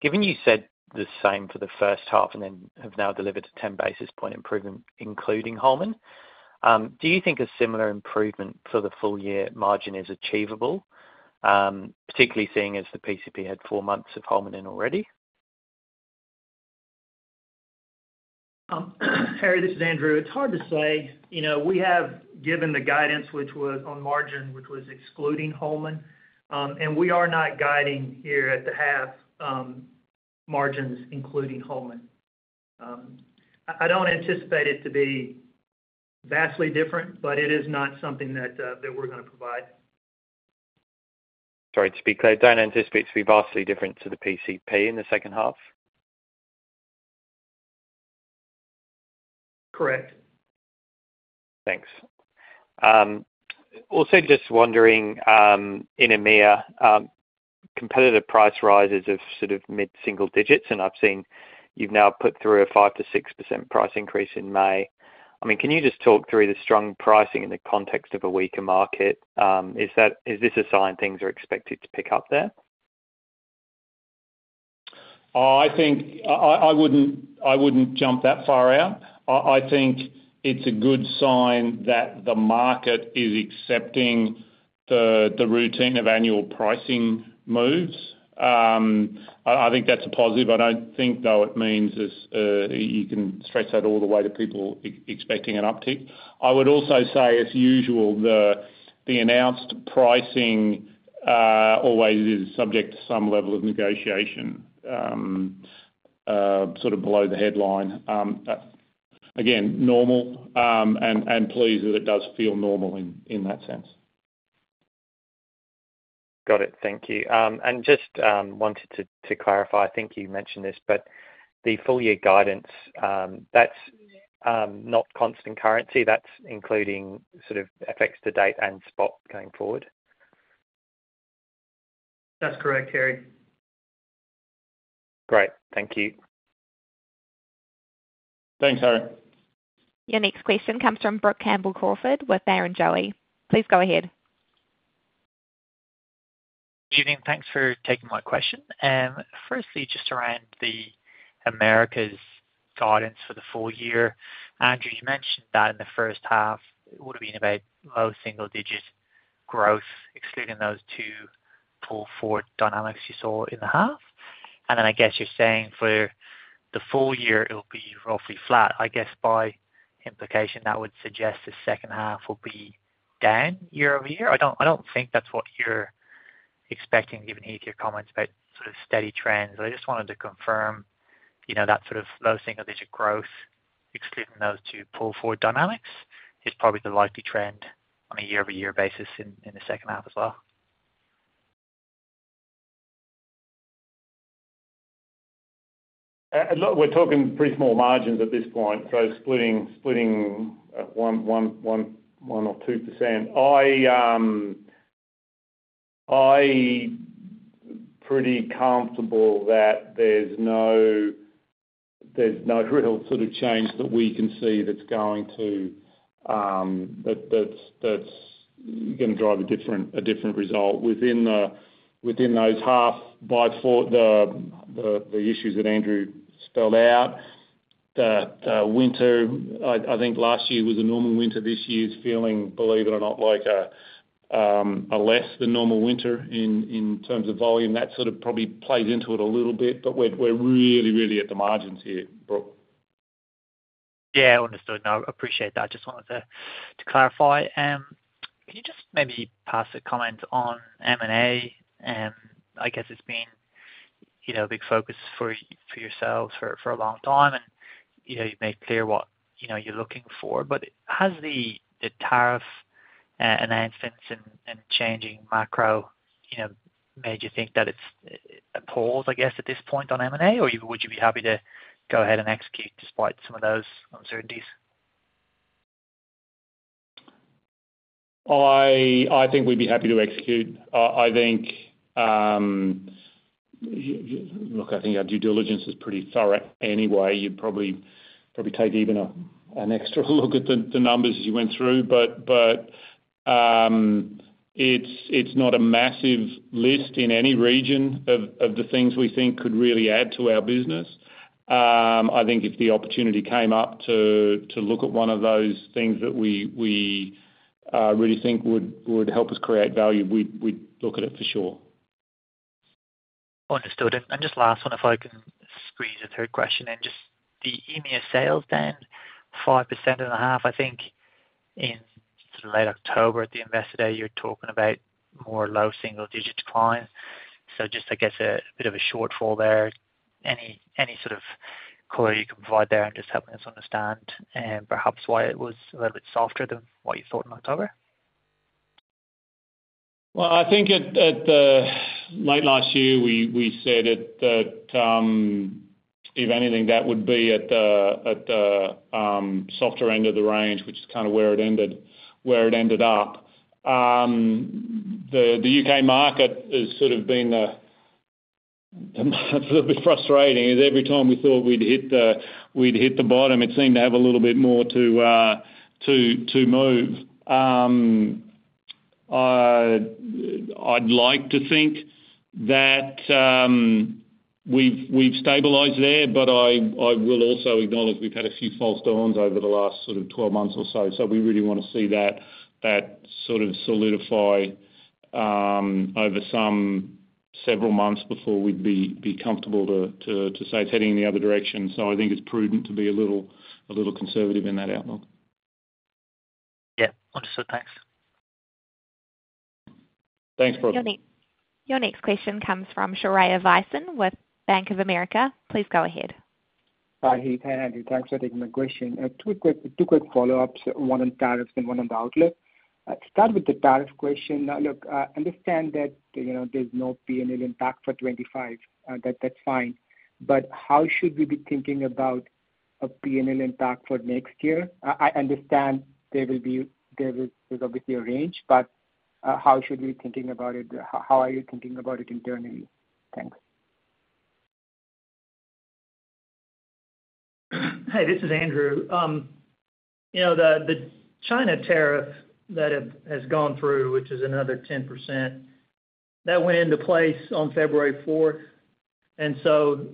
Given you said the same for the first half and then have now delivered a 10 basis points improvement, including Holman, do you think a similar improvement for the full-year margin is achievable, particularly seeing as the PCP had four months of Holman in already? Harry, this is Andrew. It's hard to say. We have given the guidance, which was on margin, which was excluding Holman, and we are not guiding here at the half margins, including Holman. I don't anticipate it to be vastly different, but it is not something that we're going to provide. Sorry to speak there. Don't anticipate it to be vastly different to the PCP in the second half? Correct. Thanks. Also just wondering, in EMEA, competitive price rises of sort of mid-single digits, and I've seen you've now put through a 5%-6% price increase in May. I mean, can you just talk through the strong pricing in the context of a weaker market? Is this a sign things are expected to pick up there? I wouldn't jump that far out. I think it's a good sign that the market is accepting the routine of annual pricing moves. I think that's a positive. I don't think, though, it means you can stress that all the way to people expecting an uptick. I would also say, as usual, the announced pricing always is subject to some level of negotiation sort of below the headline. Again, normal, and pleased that it does feel normal in that sense. Got it. Thank you. And just wanted to clarify. I think you mentioned this, but the full-year guidance, that's not constant currency. That's including sort of FX to date and spot going forward? That's correct, Harry. Great. Thank you. Thanks, Harry. Your next question comes from Brook Campbell-Crawford with Barrenjoey. Please go ahead. Good evening. Thanks for taking my question. Firstly, just around the Americas guidance for the full year, Andrew, you mentioned that in the first half, it would have been about low single-digit growth, excluding those two pull-forward dynamics you saw in the half. And then I guess you're saying for the full year, it'll be roughly flat. I guess by implication, that would suggest the second half will be down year over year. I don't think that's what you're expecting, given each of your comments about sort of steady trends. I just wanted to confirm that sort of low single-digit growth, excluding those two pull-forward dynamics, is probably the likely trend on a year-over-year basis in the second half as well. Look, we're talking pretty small margins at this point, so splitting one or 2%. I'm pretty comfortable that there's no real sort of change that we can see that's going to drive a different result within those half by the issues that Andrew spelled out. The winter, I think last year was a normal winter. This year's feeling, believe it or not, like a less than normal winter in terms of volume. That sort of probably plays into it a little bit, but we're really, really at the margins here, Brook. Yeah, understood. No, I appreciate that. Just wanted to clarify. Can you just maybe pass a comment on M&A? I guess it's been a big focus for yourselves for a long time, and you've made clear what you're looking for. But has the tariff announcements and changing macro made you think that it's a pause, I guess, at this point on M&A, or would you be happy to go ahead and execute despite some of those uncertainties? I think we'd be happy to execute. Look, I think our due diligence is pretty thorough anyway. You'd probably take even an extra look at the numbers you went through, but it's not a massive list in any region of the things we think could really add to our business. I think if the opportunity came up to look at one of those things that we really think would help us create value, we'd look at it for sure. Understood, and just last one, if I can squeeze a third question in, just the EMEA sales then, 5.5%. I think in late October at the investor day, you were talking about more low single-digit declines, so just, I guess, a bit of a shortfall there. Any sort of color you can provide there, and just helping us understand perhaps why it was a little bit softer than what you thought in October? I think at the late last year, we said that if anything, that would be at the softer end of the range, which is kind of where it ended up. The U.K. market has sort of been a little bit frustrating. Every time we thought we'd hit the bottom, it seemed to have a little bit more to move. I'd like to think that we've stabilized there, but I will also acknowledge we've had a few false dawns over the last sort of 12 months or so. So we really want to see that sort of solidify over some several months before we'd be comfortable to say it's heading in the other direction. So I think it's prudent to be a little conservative in that outlook. Yeah. Understood. Thanks. Thanks, Brook. Your next question comes from Shreya Vasant with Bank of America. Please go ahead. Hi there. Hi, Andrew. Thanks for taking my question. Two quick follow-ups, one on tariffs and one on the outlook. Start with the tariff question. Look, I understand that there's no P&L impact for 2025. That's fine. But how should we be thinking about a P&L impact for next year? I understand there will obviously be a range, but how should we be thinking about it? How are you thinking about it internally? Thanks. Hey, this is Andrew. The China tariff that has gone through, which is another 10%, that went into place on February 4th. And so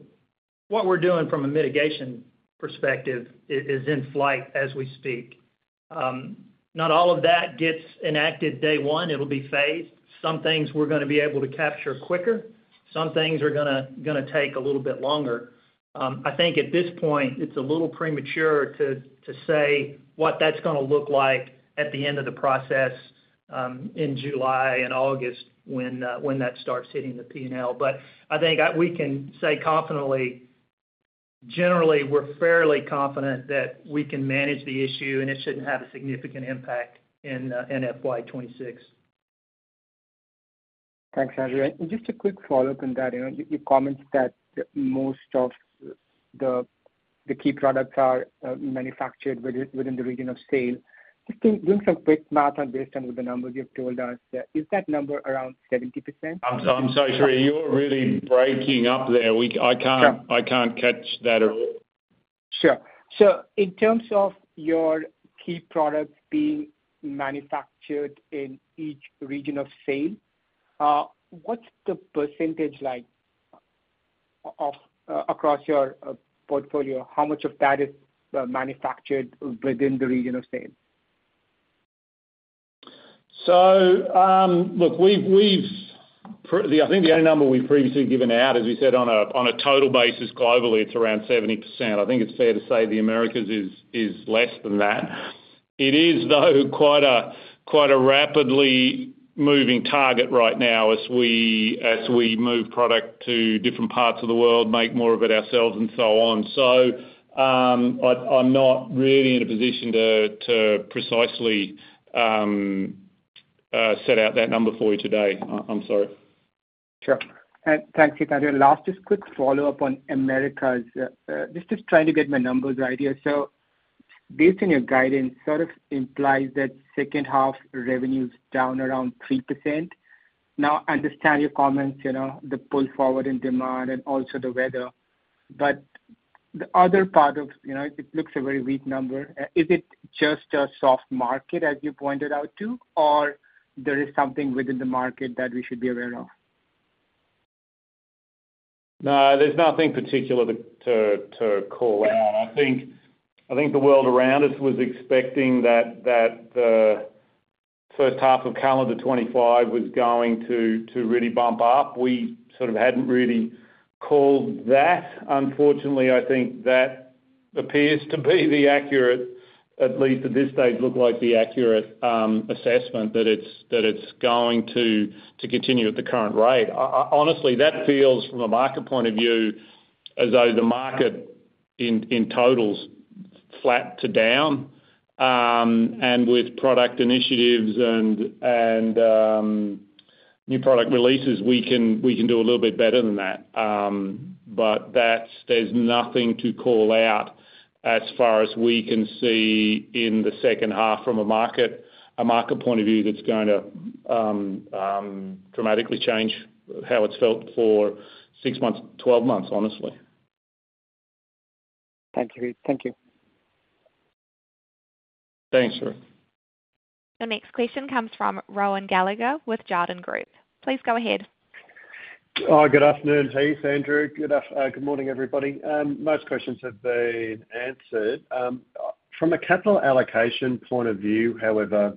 what we're doing from a mitigation perspective is in flight as we speak. Not all of that gets enacted day one. It'll be phased. Some things we're going to be able to capture quicker. Some things are going to take a little bit longer. I think at this point, it's a little premature to say what that's going to look like at the end of the process in July and August when that starts hitting the P&L. But I think we can say confidently, generally, we're fairly confident that we can manage the issue, and it shouldn't have a significant impact in FY 26. Thanks, Andrew, and just a quick follow-up on that. You commented that most of the key products are manufactured within the region of sale. Just doing some quick math based on the numbers you've told us, is that number around 70%? I'm sorry, Shreya. You're really breaking up there. I can't catch that at all. Sure. So in terms of your key products being manufactured in each region of sale, what's the percentage across your portfolio? How much of that is manufactured within the region of sale? So look, I think the only number we've previously given out, as we said, on a total basis globally, it's around 70%. I think it's fair to say the Americas is less than that. It is, though, quite a rapidly moving target right now as we move product to different parts of the world, make more of it ourselves, and so on. So I'm not really in a position to precisely set out that number for you today. I'm sorry. Sure. Thanks. Andrew, last, just quick follow-up on Americas. Just trying to get my numbers right here. So based on your guidance, sort of implies that second half revenue is down around 3%. Now, I understand your comments, the pull-forward in demand and also the weather. But the other part of it looks a very weak number. Is it just a soft market, as you pointed out too, or there is something within the market that we should be aware of? No, there's nothing particular to call out. I think the world around us was expecting that the first half of calendar 2025 was going to really bump up. We sort of hadn't really called that. Unfortunately, I think that appears to be accurate, at least at this stage. It looks like the accurate assessment that it's going to continue at the current rate. Honestly, that feels, from a market point of view, as though the market, in total, is flat to down, and with product initiatives and new product releases, we can do a little bit better than that, but there's nothing to call out as far as we can see in the second half from a market point of view that's going to dramatically change how it's felt for six months, 12 months, honestly. Thank you. Thank you. Thanks, Shreya. Your next question comes from Rohan Gallagher with Jarden Group. Please go ahead. Good afternoon. Hey, Andrew. Good morning, everybody. Most questions have been answered. From a capital allocation point of view, however,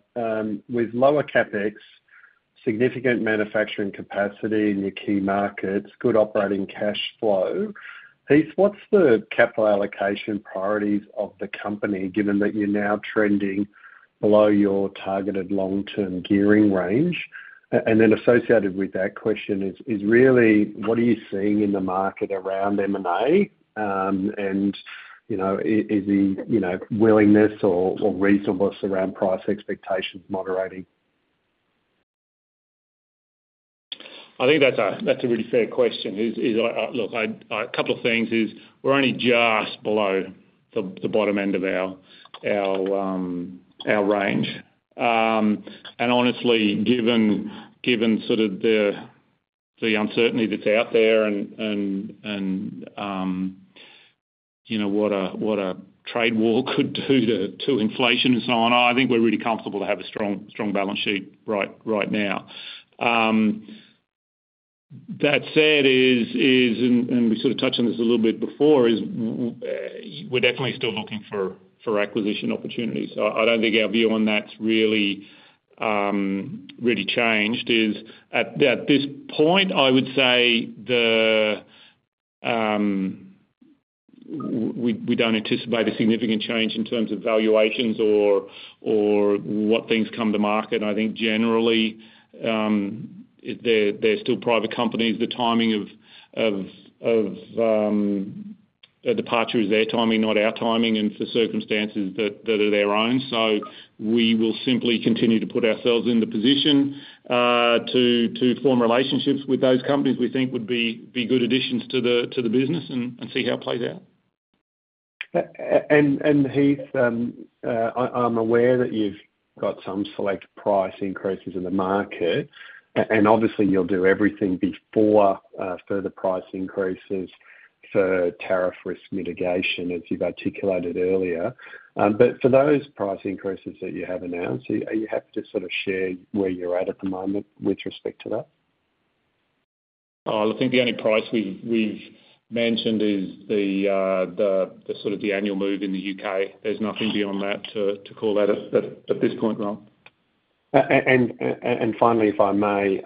with lower CapEx, significant manufacturing capacity in your key markets, good operating cash flow, what's the capital allocation priorities of the company, given that you're now trending below your targeted long-term gearing range? And then associated with that question is really, what are you seeing in the market around M&A? And is the willingness or reasonableness around price expectations moderating? I think that's a really fair question. Look, a couple of things is we're only just below the bottom end of our range. And honestly, given sort of the uncertainty that's out there and what a trade war could do to inflation and so on, I think we're really comfortable to have a strong balance sheet right now. That said, and we sort of touched on this a little bit before, we're definitely still looking for acquisition opportunities. So I don't think our view on that's really changed. At this point, I would say we don't anticipate a significant change in terms of valuations or what things come to market. I think generally, they're still private companies. The timing of departure is their timing, not our timing, and for circumstances that are their own. So we will simply continue to put ourselves in the position to form relationships with those companies we think would be good additions to the business and see how it plays out. Heath, I'm aware that you've got some select price increases in the market. Obviously, you'll do everything before further price increases for tariff risk mitigation, as you've articulated earlier. For those price increases that you have announced, are you happy to sort of share where you're at at the moment with respect to that? I think the only price we've mentioned is sort of the annual move in the U.K. There's nothing beyond that to call out at this point, Rohan. And finally, if I may,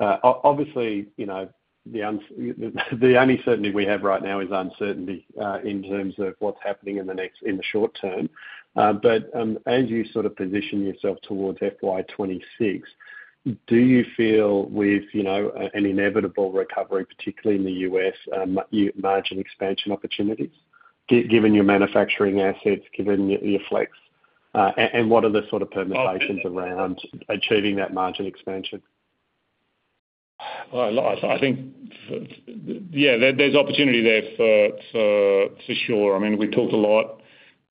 obviously, the only certainty we have right now is uncertainty in terms of what's happening in the short term. But as you sort of position yourself towards FY 2026, do you feel we've an inevitable recovery, particularly in the U.S., margin expansion opportunities, given your manufacturing assets, given your flex? And what are the sort of permutations around achieving that margin expansion? I think, yeah, there's opportunity there for sure. I mean, we talked a lot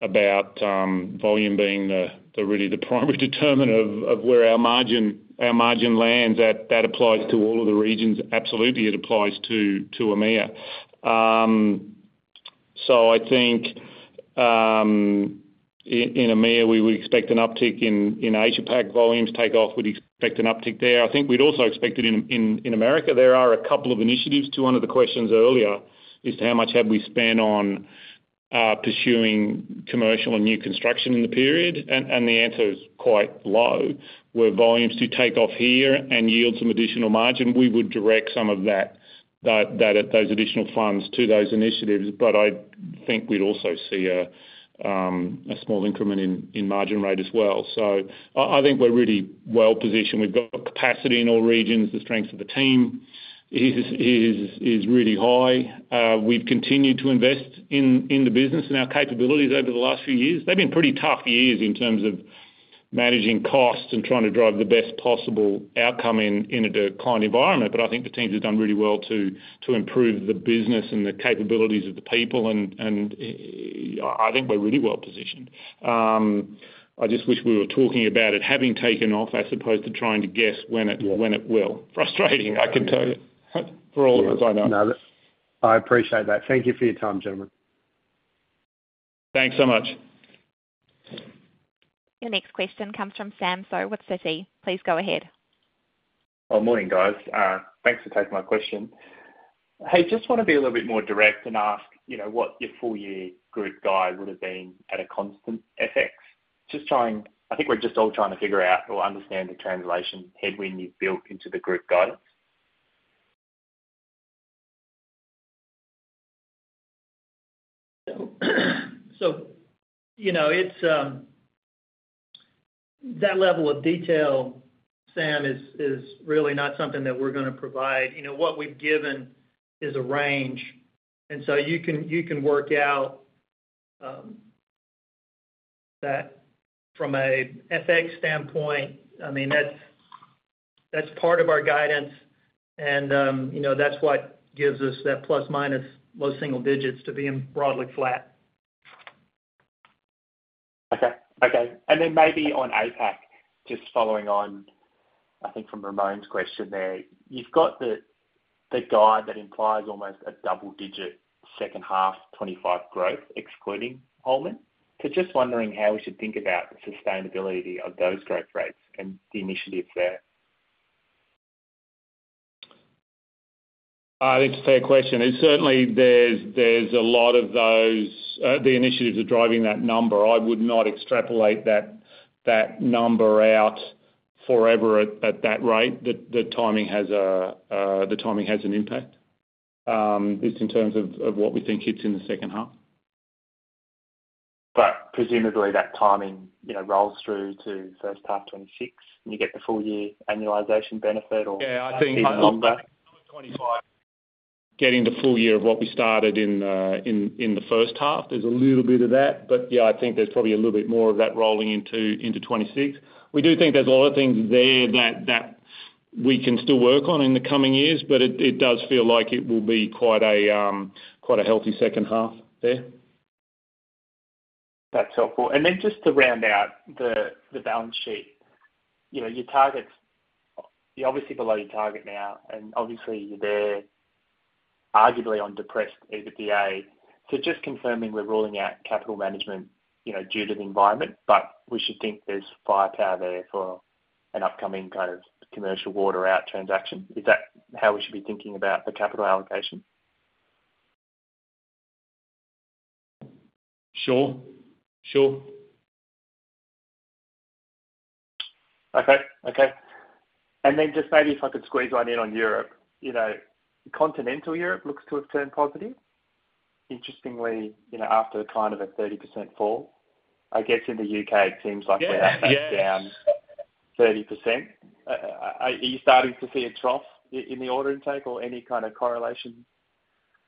about volume being really the primary determinant of where our margin lands. That applies to all of the regions. Absolutely, it applies to EMEA. So I think in EMEA, we would expect an uptick in Asia-Pac volumes take off. We'd expect an uptick there. I think we'd also expect it in America. There are a couple of initiatives. To one of the questions earlier is to how much have we spent on pursuing commercial and new construction in the period? And the answer is quite low. Where volumes do take off here and yield some additional margin, we would direct some of those additional funds to those initiatives. But I think we'd also see a small increment in margin rate as well. So I think we're really well positioned. We've got capacity in all regions. The strength of the team is really high. We've continued to invest in the business and our capabilities over the last few years. They've been pretty tough years in terms of managing costs and trying to drive the best possible outcome in a client environment. But I think the team's done really well to improve the business and the capabilities of the people. And I think we're really well positioned. I just wish we were talking about it having taken off as opposed to trying to guess when it will. Frustrating, I can tell you, for all the ones I know. I appreciate that. Thank you for your time, gentlemen. Thanks so much. Your next question comes from Sam Seow with Citi. Please go ahead. Morning, guys. Thanks for taking my question. Hey, just want to be a little bit more direct and ask what your full-year group guide would have been at a constant FX? I think we're just all trying to figure out or understand the translation headwind you've built into the group guidance. So that level of detail, Sam, is really not something that we're going to provide. What we've given is a range, and so you can work out that from an FX standpoint. I mean, that's part of our guidance, and that's what gives us that plus-minus, low single digits to being broadly flat. Okay. Okay. And then maybe on APAC, just following on, I think, from Ramoun's question there, you've got the guide that implies almost a double-digit second half 2025 growth, excluding Holman. So just wondering how we should think about the sustainability of those growth rates and the initiatives there? I think it's a fair question. Certainly, there's a lot of those initiatives are driving that number. I would not extrapolate that number out forever at that rate. The timing has an impact, just in terms of what we think hits in the second half. But presumably, that timing rolls through to first half 2026, and you get the full-year annualization benefit or something longer. Yeah, I think 2025. Getting to full year of what we started in the first half. There's a little bit of that. But yeah, I think there's probably a little bit more of that rolling into 2026. We do think there's a lot of things there that we can still work on in the coming years. But it does feel like it will be quite a healthy second half there. That's helpful. And then just to round out the balance sheet, your targets you're obviously below your target now. And obviously, you're there arguably on depressed EBITDA. So just confirming we're ruling out capital management due to the environment. But we should think there's firepower there for an upcoming kind of commercial water out transaction. Is that how we should be thinking about the capital allocation? Sure. Sure. Okay. Okay. And then just maybe if I could squeeze one in on Europe. Continental Europe looks to have turned positive, interestingly, after kind of a 30% fall. I guess in the U.K., it seems like we're up and down 30%. Are you starting to see a trough in the order intake or any kind of correlation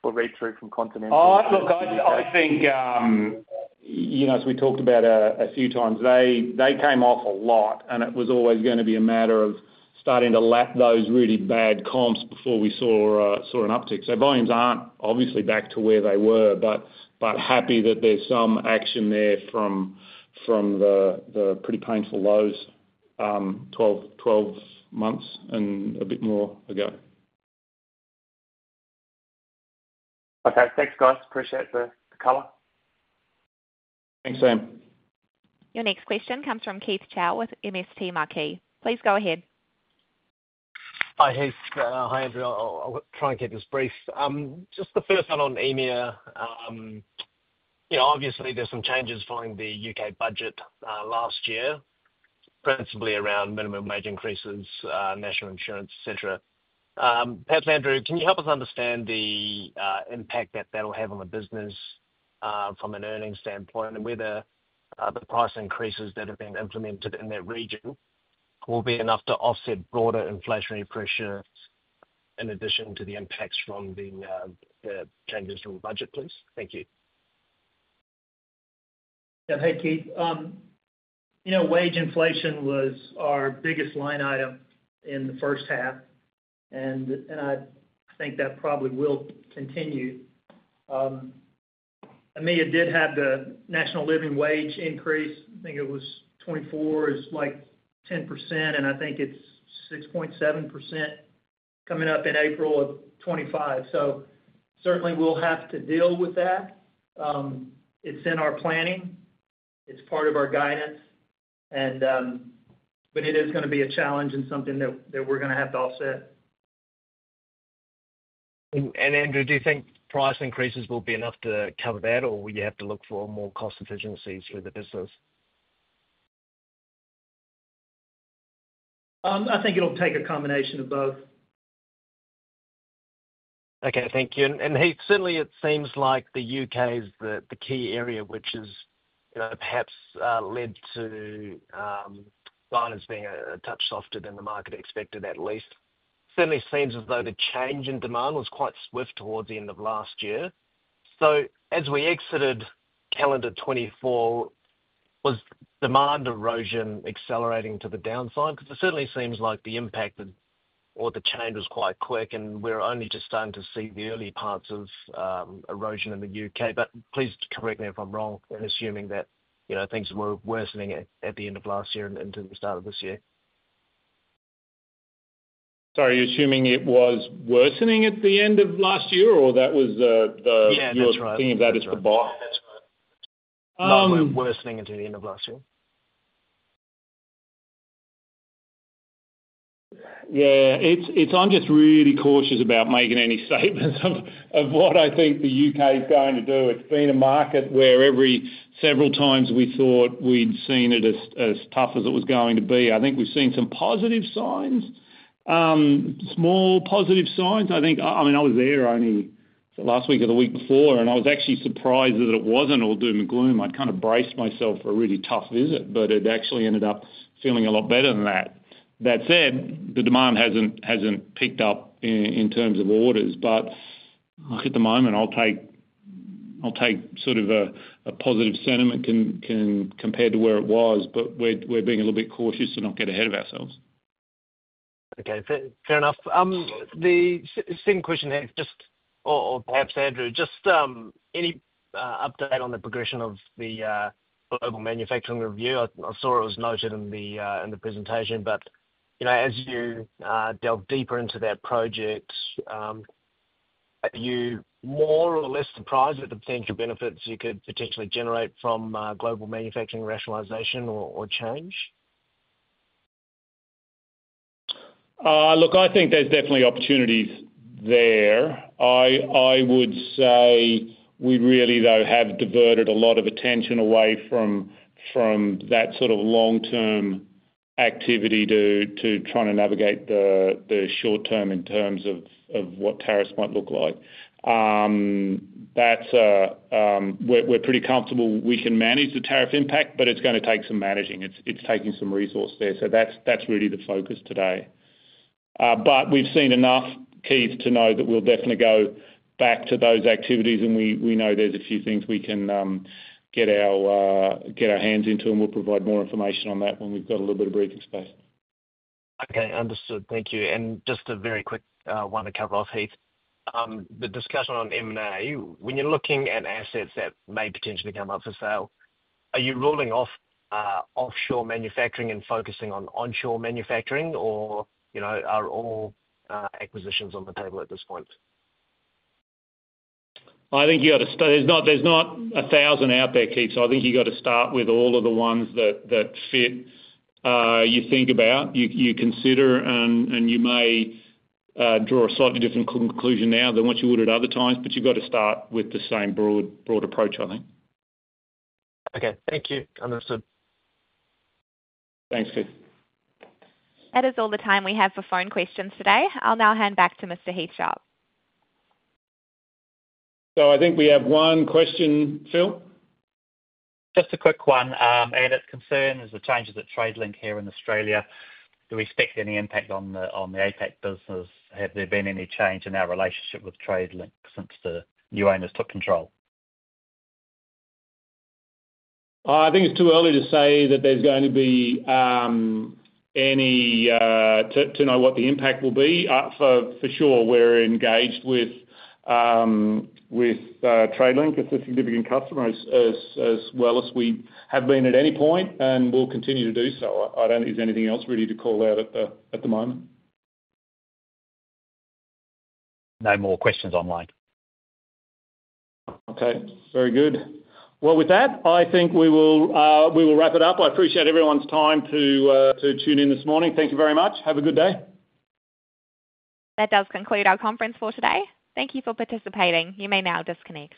or read-through from continental? Look, I think, as we talked about a few times, they came off a lot. And it was always going to be a matter of starting to lap those really bad comps before we saw an uptick. So volumes aren't obviously back to where they were, but happy that there's some action there from the pretty painful lows 12 months and a bit more ago. Okay. Thanks, guys. Appreciate the color. Thanks, Sam. Your next question comes from Keith Chau with MST Marquee. Please go ahead. Hi, Heath. Hi, Andrew. I'll try and keep this brief. Just the first one on EMEA, obviously, there's some changes following the U.K. budget last year, principally around minimum wage increases, National Insurance, etc. Perhaps, Andrew, can you help us understand the impact that that'll have on the business from an earnings standpoint and whether the price increases that have been implemented in that region will be enough to offset broader inflationary pressure in addition to the impacts from the changes to the budget, please? Thank you. Yeah. Hey, Keith. Wage inflation was our biggest line item in the first half. And I think that probably will continue. EMEA did have the National Living Wage increase. I think it was 2024 is like 10%. And I think it's 6.7% coming up in April of 2025. So certainly, we'll have to deal with that. It's in our planning. It's part of our guidance. But it is going to be a challenge and something that we're going to have to offset. Andrew, do you think price increases will be enough to cover that, or will you have to look for more cost efficiencies for the business? I think it'll take a combination of both. Okay. Thank you. And Heath, certainly, it seems like the U.K. is the key area, which has perhaps led to finances being a touch softer than the market expected, at least. Certainly, it seems as though the change in demand was quite swift towards the end of last year. So as we exited calendar 2024, was demand erosion accelerating to the downside? Because it certainly seems like the impact or the change was quite quick. And we're only just starting to see the early parts of erosion in the U.K. But please correct me if I'm wrong in assuming that things were worsening at the end of last year and into the start of this year. Sorry, are you assuming it was worsening at the end of last year, or that was the? Yeah, that's right. You're thinking of that is the bottom? That's right. That's right. Not really worsening until the end of last year. Yeah. I'm just really cautious about making any statements of what I think the U.K. is going to do. It's been a market where every several times we thought we'd seen it as tough as it was going to be. I think we've seen some positive signs, small positive signs. I mean, I was there only last week or the week before. And I was actually surprised that it wasn't all doom and gloom. I'd kind of braced myself for a really tough visit, but it actually ended up feeling a lot better than that. That said, the demand hasn't picked up in terms of orders. But look, at the moment, I'll take sort of a positive sentiment compared to where it was. But we're being a little bit cautious to not get ahead of ourselves. Okay. Fair enough. The same question here, just or perhaps, Andrew, just any update on the progression of the global manufacturing review? I saw it was noted in the presentation. But as you delve deeper into that project, are you more or less surprised at the potential benefits you could potentially generate from global manufacturing rationalization or change? Look, I think there's definitely opportunities there. I would say we really, though, have diverted a lot of attention away from that sort of long-term activity to trying to navigate the short term in terms of what tariffs might look like. We're pretty comfortable. We can manage the tariff impact, but it's going to take some managing. It's taking some resource there. So that's really the focus today. But we've seen enough, Keith, to know that we'll definitely go back to those activities. And we know there's a few things we can get our hands into. And we'll provide more information on that when we've got a little bit of breathing space. Okay. Understood. Thank you. And just a very quick one to cover off, Heath. The discussion on M&A, when you're looking at assets that may potentially come up for sale, are you ruling off offshore manufacturing and focusing on onshore manufacturing, or are all acquisitions on the table at this point? I think you got to start. There's not 1,000 out there, Keith, so I think you got to start with all of the ones that fit you think about, you consider, and you may draw a slightly different conclusion now than what you would at other times, but you've got to start with the same broad approach, I think. Okay. Thank you. Understood. Thanks, Keith. That is all the time we have for phone questions today. I'll now hand back to Mr. Heath Sharp. I think we have one question, Phil. Just a quick one and its concern is the changes at Tradelink here in Australia. Do we expect any impact on the APAC business? Have there been any change in our relationship with Tradelink since the new owners took control? I think it's too early to say that there's going to be any way to know what the impact will be. For sure, we're engaged with Tradelink as a significant customer as well as we have been at any point and will continue to do so. I don't think there's anything else really to call out at the moment. No more questions online. Okay. Very good. Well, with that, I think we will wrap it up. I appreciate everyone's time to tune in this morning. Thank you very much. Have a good day. That does conclude our conference for today. Thank you for participating. You may now disconnect.